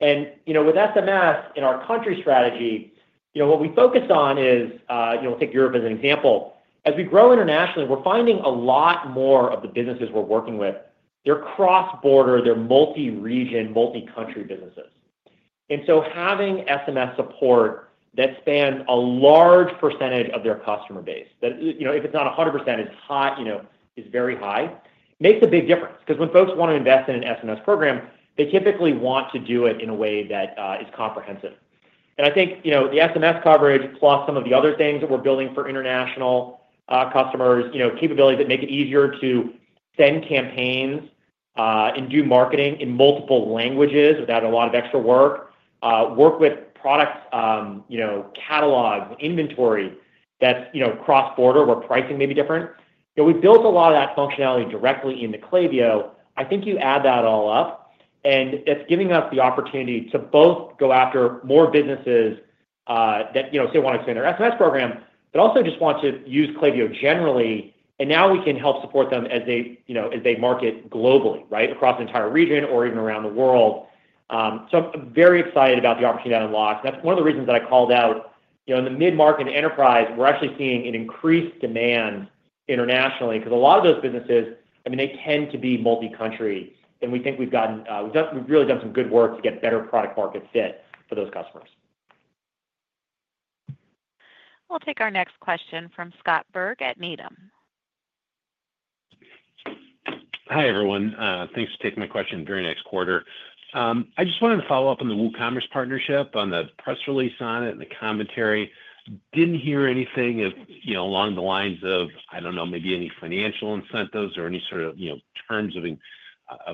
And with SMS in our go-to-market strategy. What we focus on is. We'll take Europe as an example. As we grow internationally, we're finding a lot more of the businesses we're working with, they're cross-border, they're multi-region, multi-country businesses. And so having SMS support that spans a large percentage of their customer base, if it's not 100%, it's very high, makes a big difference. Because when folks want to invest in an SMS program, they typically want to do it in a way that is comprehensive. And I think the SMS coverage plus some of the other things that we're building for international customers, capabilities that make it easier to send campaigns and do marketing in multiple languages without a lot of extra work, work with product catalogs, inventory that's cross-border where pricing may be different. We've built a lot of that functionality directly in the Klaviyo. I think you add that all up, and that's giving us the opportunity to both go after more businesses that, say, want to expand their SMS program, but also just want to use Klaviyo generally. And now we can help support them as they market globally, right, across the entire region or even around the world. So I'm very excited about the opportunity to unlock. And that's one of the reasons that I called out. In the mid-market enterprise, we're actually seeing an increased demand internationally because a lot of those businesses, I mean, they tend to be multi-country. And we think we've really done some good work to get better product-market fit for those customers. We'll take our next question from Scott Berg at Needham. Hi everyone. Thanks for taking my question during next quarter. I just wanted to follow up on the WooCommerce partnership, on the press release on it, and the commentary. Didn't hear anything along the lines of, I don't know, maybe any financial incentives or any sort of terms of,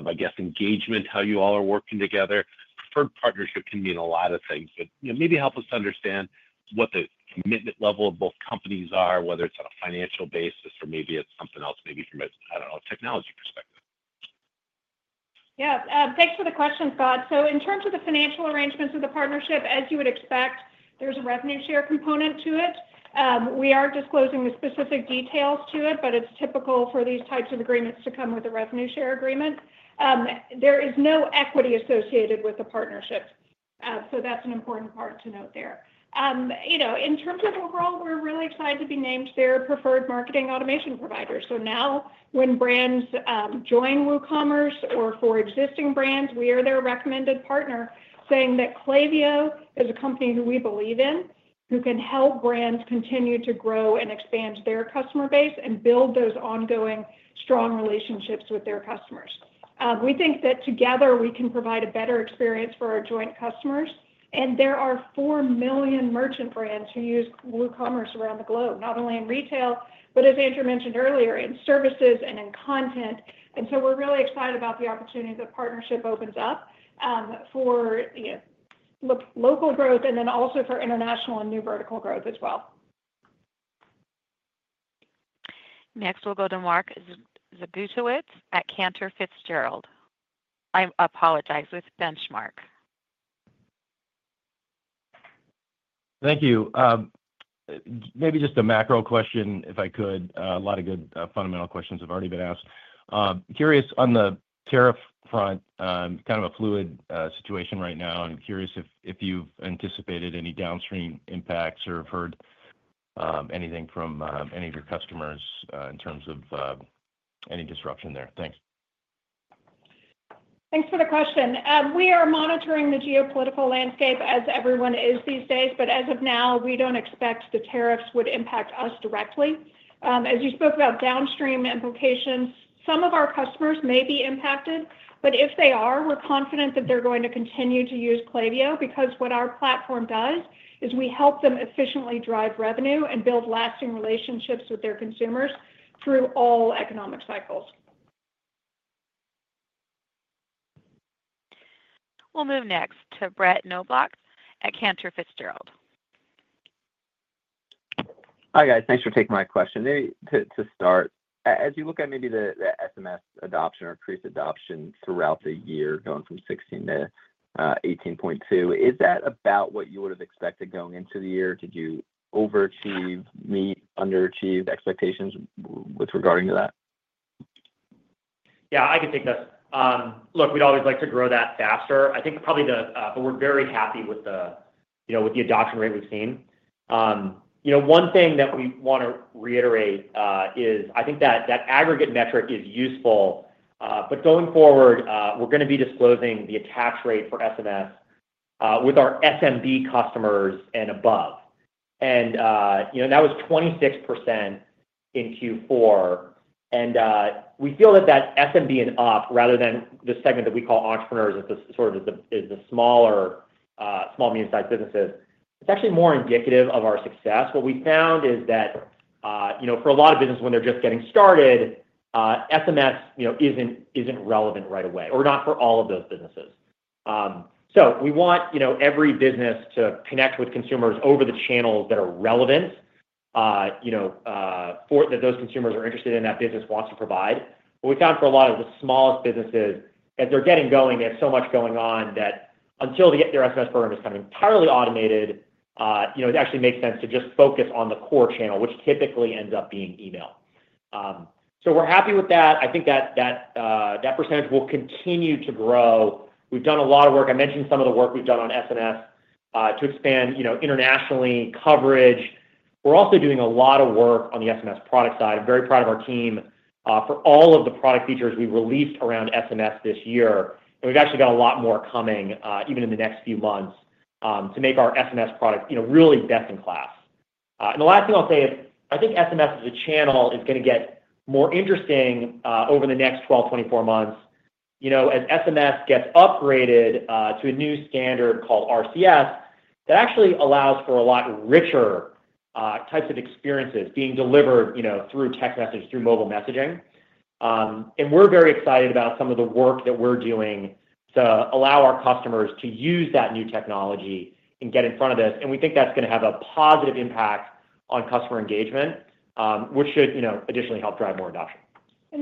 I guess, engagement, how you all are working together. Preferred partnership can mean a lot of things, but maybe help us to understand what the commitment level of both companies are, whether it's on a financial basis or maybe it's something else, maybe from a, I don't know, technology perspective. Yeah. Thanks for the question, Scott. So in terms of the financial arrangements of the partnership, as you would expect, there's a revenue share component to it. We are not disclosing the specific details to it, but it's typical for these types of agreements to come with a revenue share agreement. There is no equity associated with the partnership. So that's an important part to note there. In terms of overall, we're really excited to be named their preferred marketing automation provider. So now when brands join WooCommerce or for existing brands, we are their recommended partner. Saying that Klaviyo is a company who we believe in, who can help brands continue to grow and expand their customer base and build those ongoing strong relationships with their customers. We think that together we can provide a better experience for our joint customers. And there are 4 million merchant brands who use WooCommerce around the globe, not only in retail, but as Andrew mentioned earlier, in services and in content. And so we're really excited about the opportunity that partnership opens up for local growth and then also for international and new vertical growth as well. Next, we'll go to Mark Zgutowicz at Cantor Fitzgerald. I apologize. With Benchmark. Thank you. Maybe just a macro question if I could. A lot of good fundamental questions have already been asked. Curious on the tariff front, kind of a fluid situation right now. I'm curious if you've anticipated any downstream impacts or have heard anything from any of your customers in terms of any disruption there. Thanks. Thanks for the question. We are monitoring the geopolitical landscape as everyone is these days. But as of now, we don't expect the tariffs would impact us directly. As you spoke about downstream implications, some of our customers may be impacted. But if they are, we're confident that they're going to continue to use Klaviyo because what our platform does is we help them efficiently drive revenue and build lasting relationships with their consumers through all economic cycles. We'll move next to Brett Knoblauch at Cantor Fitzgerald. Hi guys. Thanks for taking my question. Maybe to start, as you look at maybe the SMS adoption or increased adoption throughout the year going from 16 to 18.2, is that about what you would have expected going into the year? Did you overachieve, meet, underachieve expectations with regard to that? Yeah, I can take this. Look, we'd always like to grow that faster. I think probably the, but we're very happy with the adoption rate we've seen. One thing that we want to reiterate is, I think, that aggregate metric is useful, but going forward, we're going to be disclosing the attach rate for SMS with our SMB customers and above, and that was 26% in Q4. We feel that that SMB and up, rather than the segment that we call entrepreneurs as the smaller small-medium-sized businesses, it's actually more indicative of our success. What we found is that for a lot of businesses, when they're just getting started, SMS isn't relevant right away or not for all of those businesses, so we want every business to connect with consumers over the channels that are relevant that those consumers are interested in, that business wants to provide. What we found for a lot of the smallest businesses, as they're getting going, they have so much going on that until their SMS program is kind of entirely automated, it actually makes sense to just focus on the core channel, which typically ends up being email. We're happy with that. I think that that percentage will continue to grow. We've done a lot of work. I mentioned some of the work we've done on SMS to expand international coverage. We're also doing a lot of work on the SMS product side. I'm very proud of our team for all of the product features we released around SMS this year, and we've actually got a lot more coming even in the next few months to make our SMS product really best in class. The last thing I'll say is, I think SMS as a channel is going to get more interesting over the next 12, 24 months as SMS gets upgraded to a new standard called RCS that actually allows for a lot richer types of experiences being delivered through text message, through mobile messaging. We're very excited about some of the work that we're doing to allow our customers to use that new technology and get in front of this. We think that's going to have a positive impact on customer engagement, which should additionally help drive more adoption.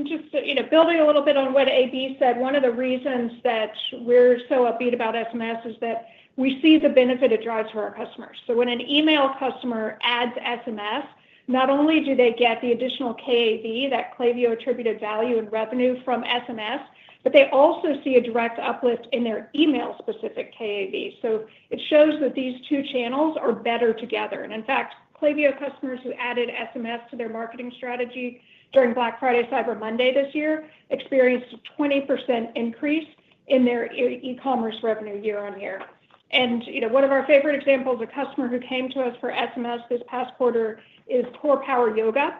Just building a little bit on what AB said, one of the reasons that we're so upbeat about SMS is that we see the benefit it drives for our customers. So when an email customer adds SMS, not only do they get the additional KAV, that Klaviyo Attributed Value and revenue from SMS, but they also see a direct uplift in their email-specific KAV. So it shows that these two channels are better together. And in fact, Klaviyo customers who added SMS to their marketing strategy during Black Friday, Cyber Monday this year experienced a 20% increase in their e-commerce revenue year on year. And one of our favorite examples, a customer who came to us for SMS this past quarter, is CorePower Yoga.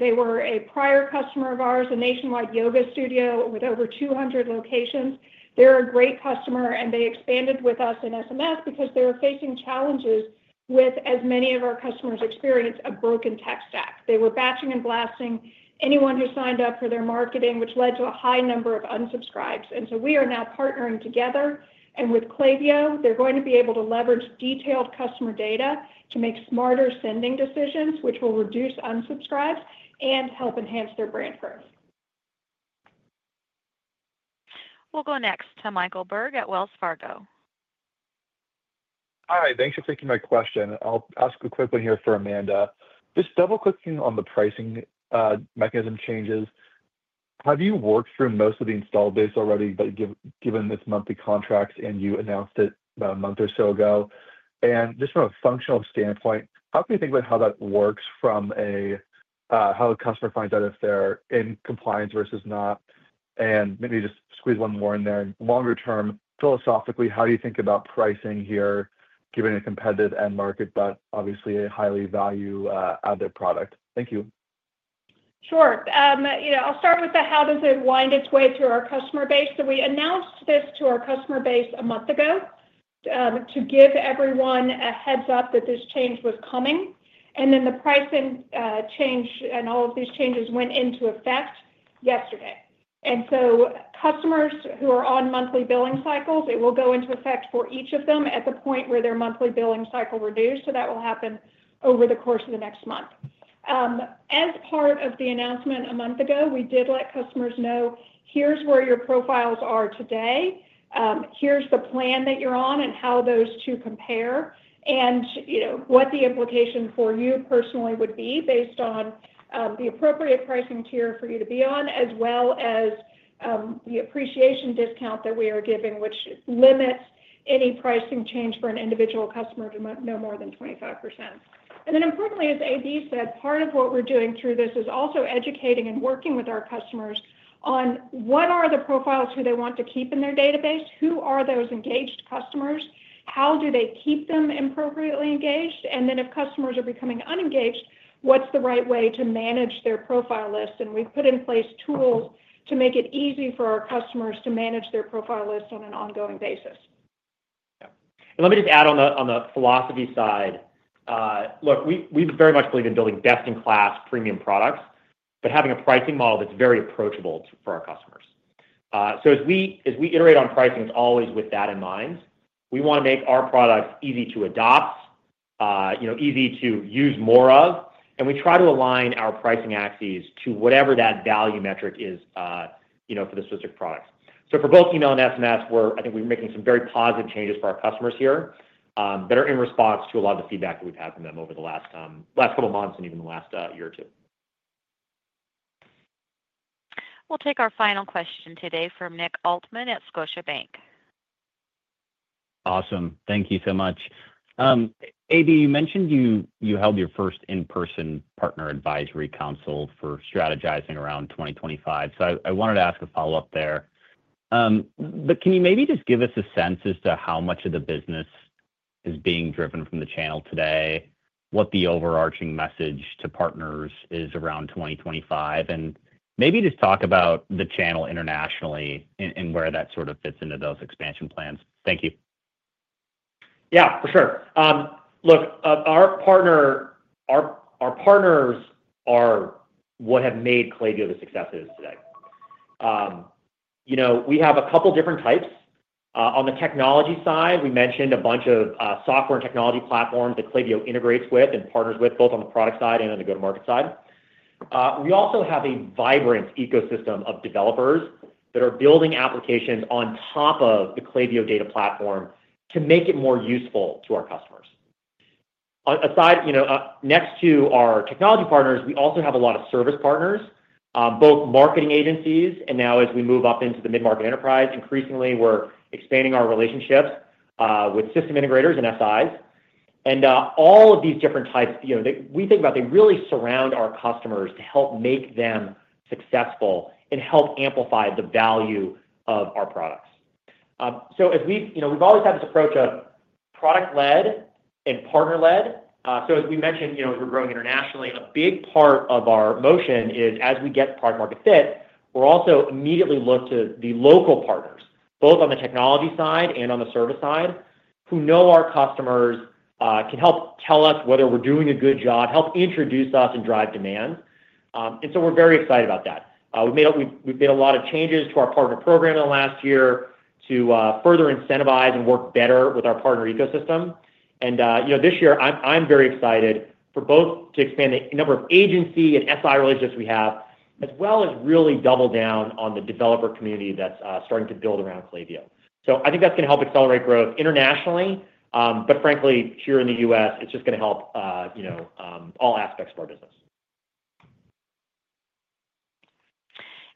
They were a prior customer of ours, a nationwide yoga studio with over 200 locations. They're a great customer, and they expanded with us in SMS because they were facing challenges with, as many of our customers experience, a broken tech stack. They were batching and blasting anyone who signed up for their marketing, which led to a high number of unsubscribes. And so we are now partnering together. And with Klaviyo, they're going to be able to leverage detailed customer data to make smarter sending decisions, which will reduce unsubscribes and help enhance their brand growth. We'll go next to Michael Berg at Wells Fargo. Hi. Thanks for taking my question. I'll ask quickly here for Amanda. Just double-clicking on the pricing mechanism changes. Have you worked through most of the installed base already, but given this monthly contract and you announced it about a month or so ago? And just from a functional standpoint, how can you think about how that works from how a customer finds out if they're in compliance versus not? And maybe just squeeze one more in there. Longer term, philosophically, how do you think about pricing here given a competitive end market, but obviously a highly value-added product? Thank you. Sure. I'll start with how does it wind its way through our customer base. So we announced this to our customer base a month ago to give everyone a heads-up that this change was coming, and then the pricing change and all of these changes went into effect yesterday, and so customers who are on monthly billing cycles, it will go into effect for each of them at the point where their monthly billing cycle renews. So that will happen over the course of the next month. As part of the announcement a month ago, we did let customers know, "Here's where your profiles are today. Here's the plan that you're on and how those two compare and what the implication for you personally would be based on the appropriate pricing tier for you to be on, as well as the appreciation discount that we are giving, which limits any pricing change for an individual customer to no more than 25%. And then importantly, as AB said, part of what we're doing through this is also educating and working with our customers on what are the profiles who they want to keep in their database. Who are those engaged customers, how do they keep them appropriately engaged, and then if customers are becoming unengaged, what's the right way to manage their profile list. And we've put in place tools to make it easy for our customers to manage their profile list on an ongoing basis. Yeah. And let me just add on the philosophy side. Look, we very much believe in building best-in-class premium products, but having a pricing model that's very approachable for our customers. So as we iterate on pricing, it's always with that in mind. We want to make our products easy to adopt, easy to use more of, and we try to align our pricing axes to whatever that value metric is for the specific products. So for both email and SMS, I think we're making some very positive changes for our customers here that are in response to a lot of the feedback that we've had from them over the last couple of months and even the last year or two. We'll take our final question today from Nick Altmann at Scotiabank. Awesome. Thank you so much. AB, you mentioned you held your first in-person Partner Advisory Council for strategizing around 2025. So I wanted to ask a follow-up there. But can you maybe just give us a sense as to how much of the business is being driven from the channel today, what the overarching message to partners is around 2025, and maybe just talk about the channel internationally and where that sort of fits into those expansion plans? Thank you. Yeah, for sure. Look, our partners are what have made Klaviyo the success it is today. We have a couple of different types. On the technology side, we mentioned a bunch of software and technology platforms that Klaviyo integrates with and partners with both on the product side and on the go-to-market side. We also have a vibrant ecosystem of developers that are building applications on top of the Klaviyo Data Platform to make it more useful to our customers. Next to our technology partners, we also have a lot of service partners, both marketing agencies. And now as we move up into the mid-market enterprise, increasingly, we're expanding our relationships with system integrators and SIs. And all of these different types, we think about, they really surround our customers to help make them successful and help amplify the value of our products. So we've always had this approach of product-led and partner-led. So as we mentioned, as we're growing internationally, a big part of our motion is as we get product-market fit, we're also immediately looked to the local partners, both on the technology side and on the service side, who know our customers, can help tell us whether we're doing a good job, help introduce us, and drive demand. And so we're very excited about that. We've made a lot of changes to our partner program in the last year to further incentivize and work better with our partner ecosystem. And this year, I'm very excited for both to expand the number of agency and SI relationships we have, as well as really double down on the developer community that's starting to build around Klaviyo. So I think that's going to help accelerate growth internationally. But frankly, here in the US, it's just going to help all aspects of our business.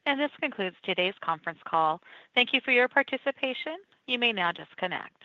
And this concludes today's conference call. Thank you for your participation. You may now disconnect.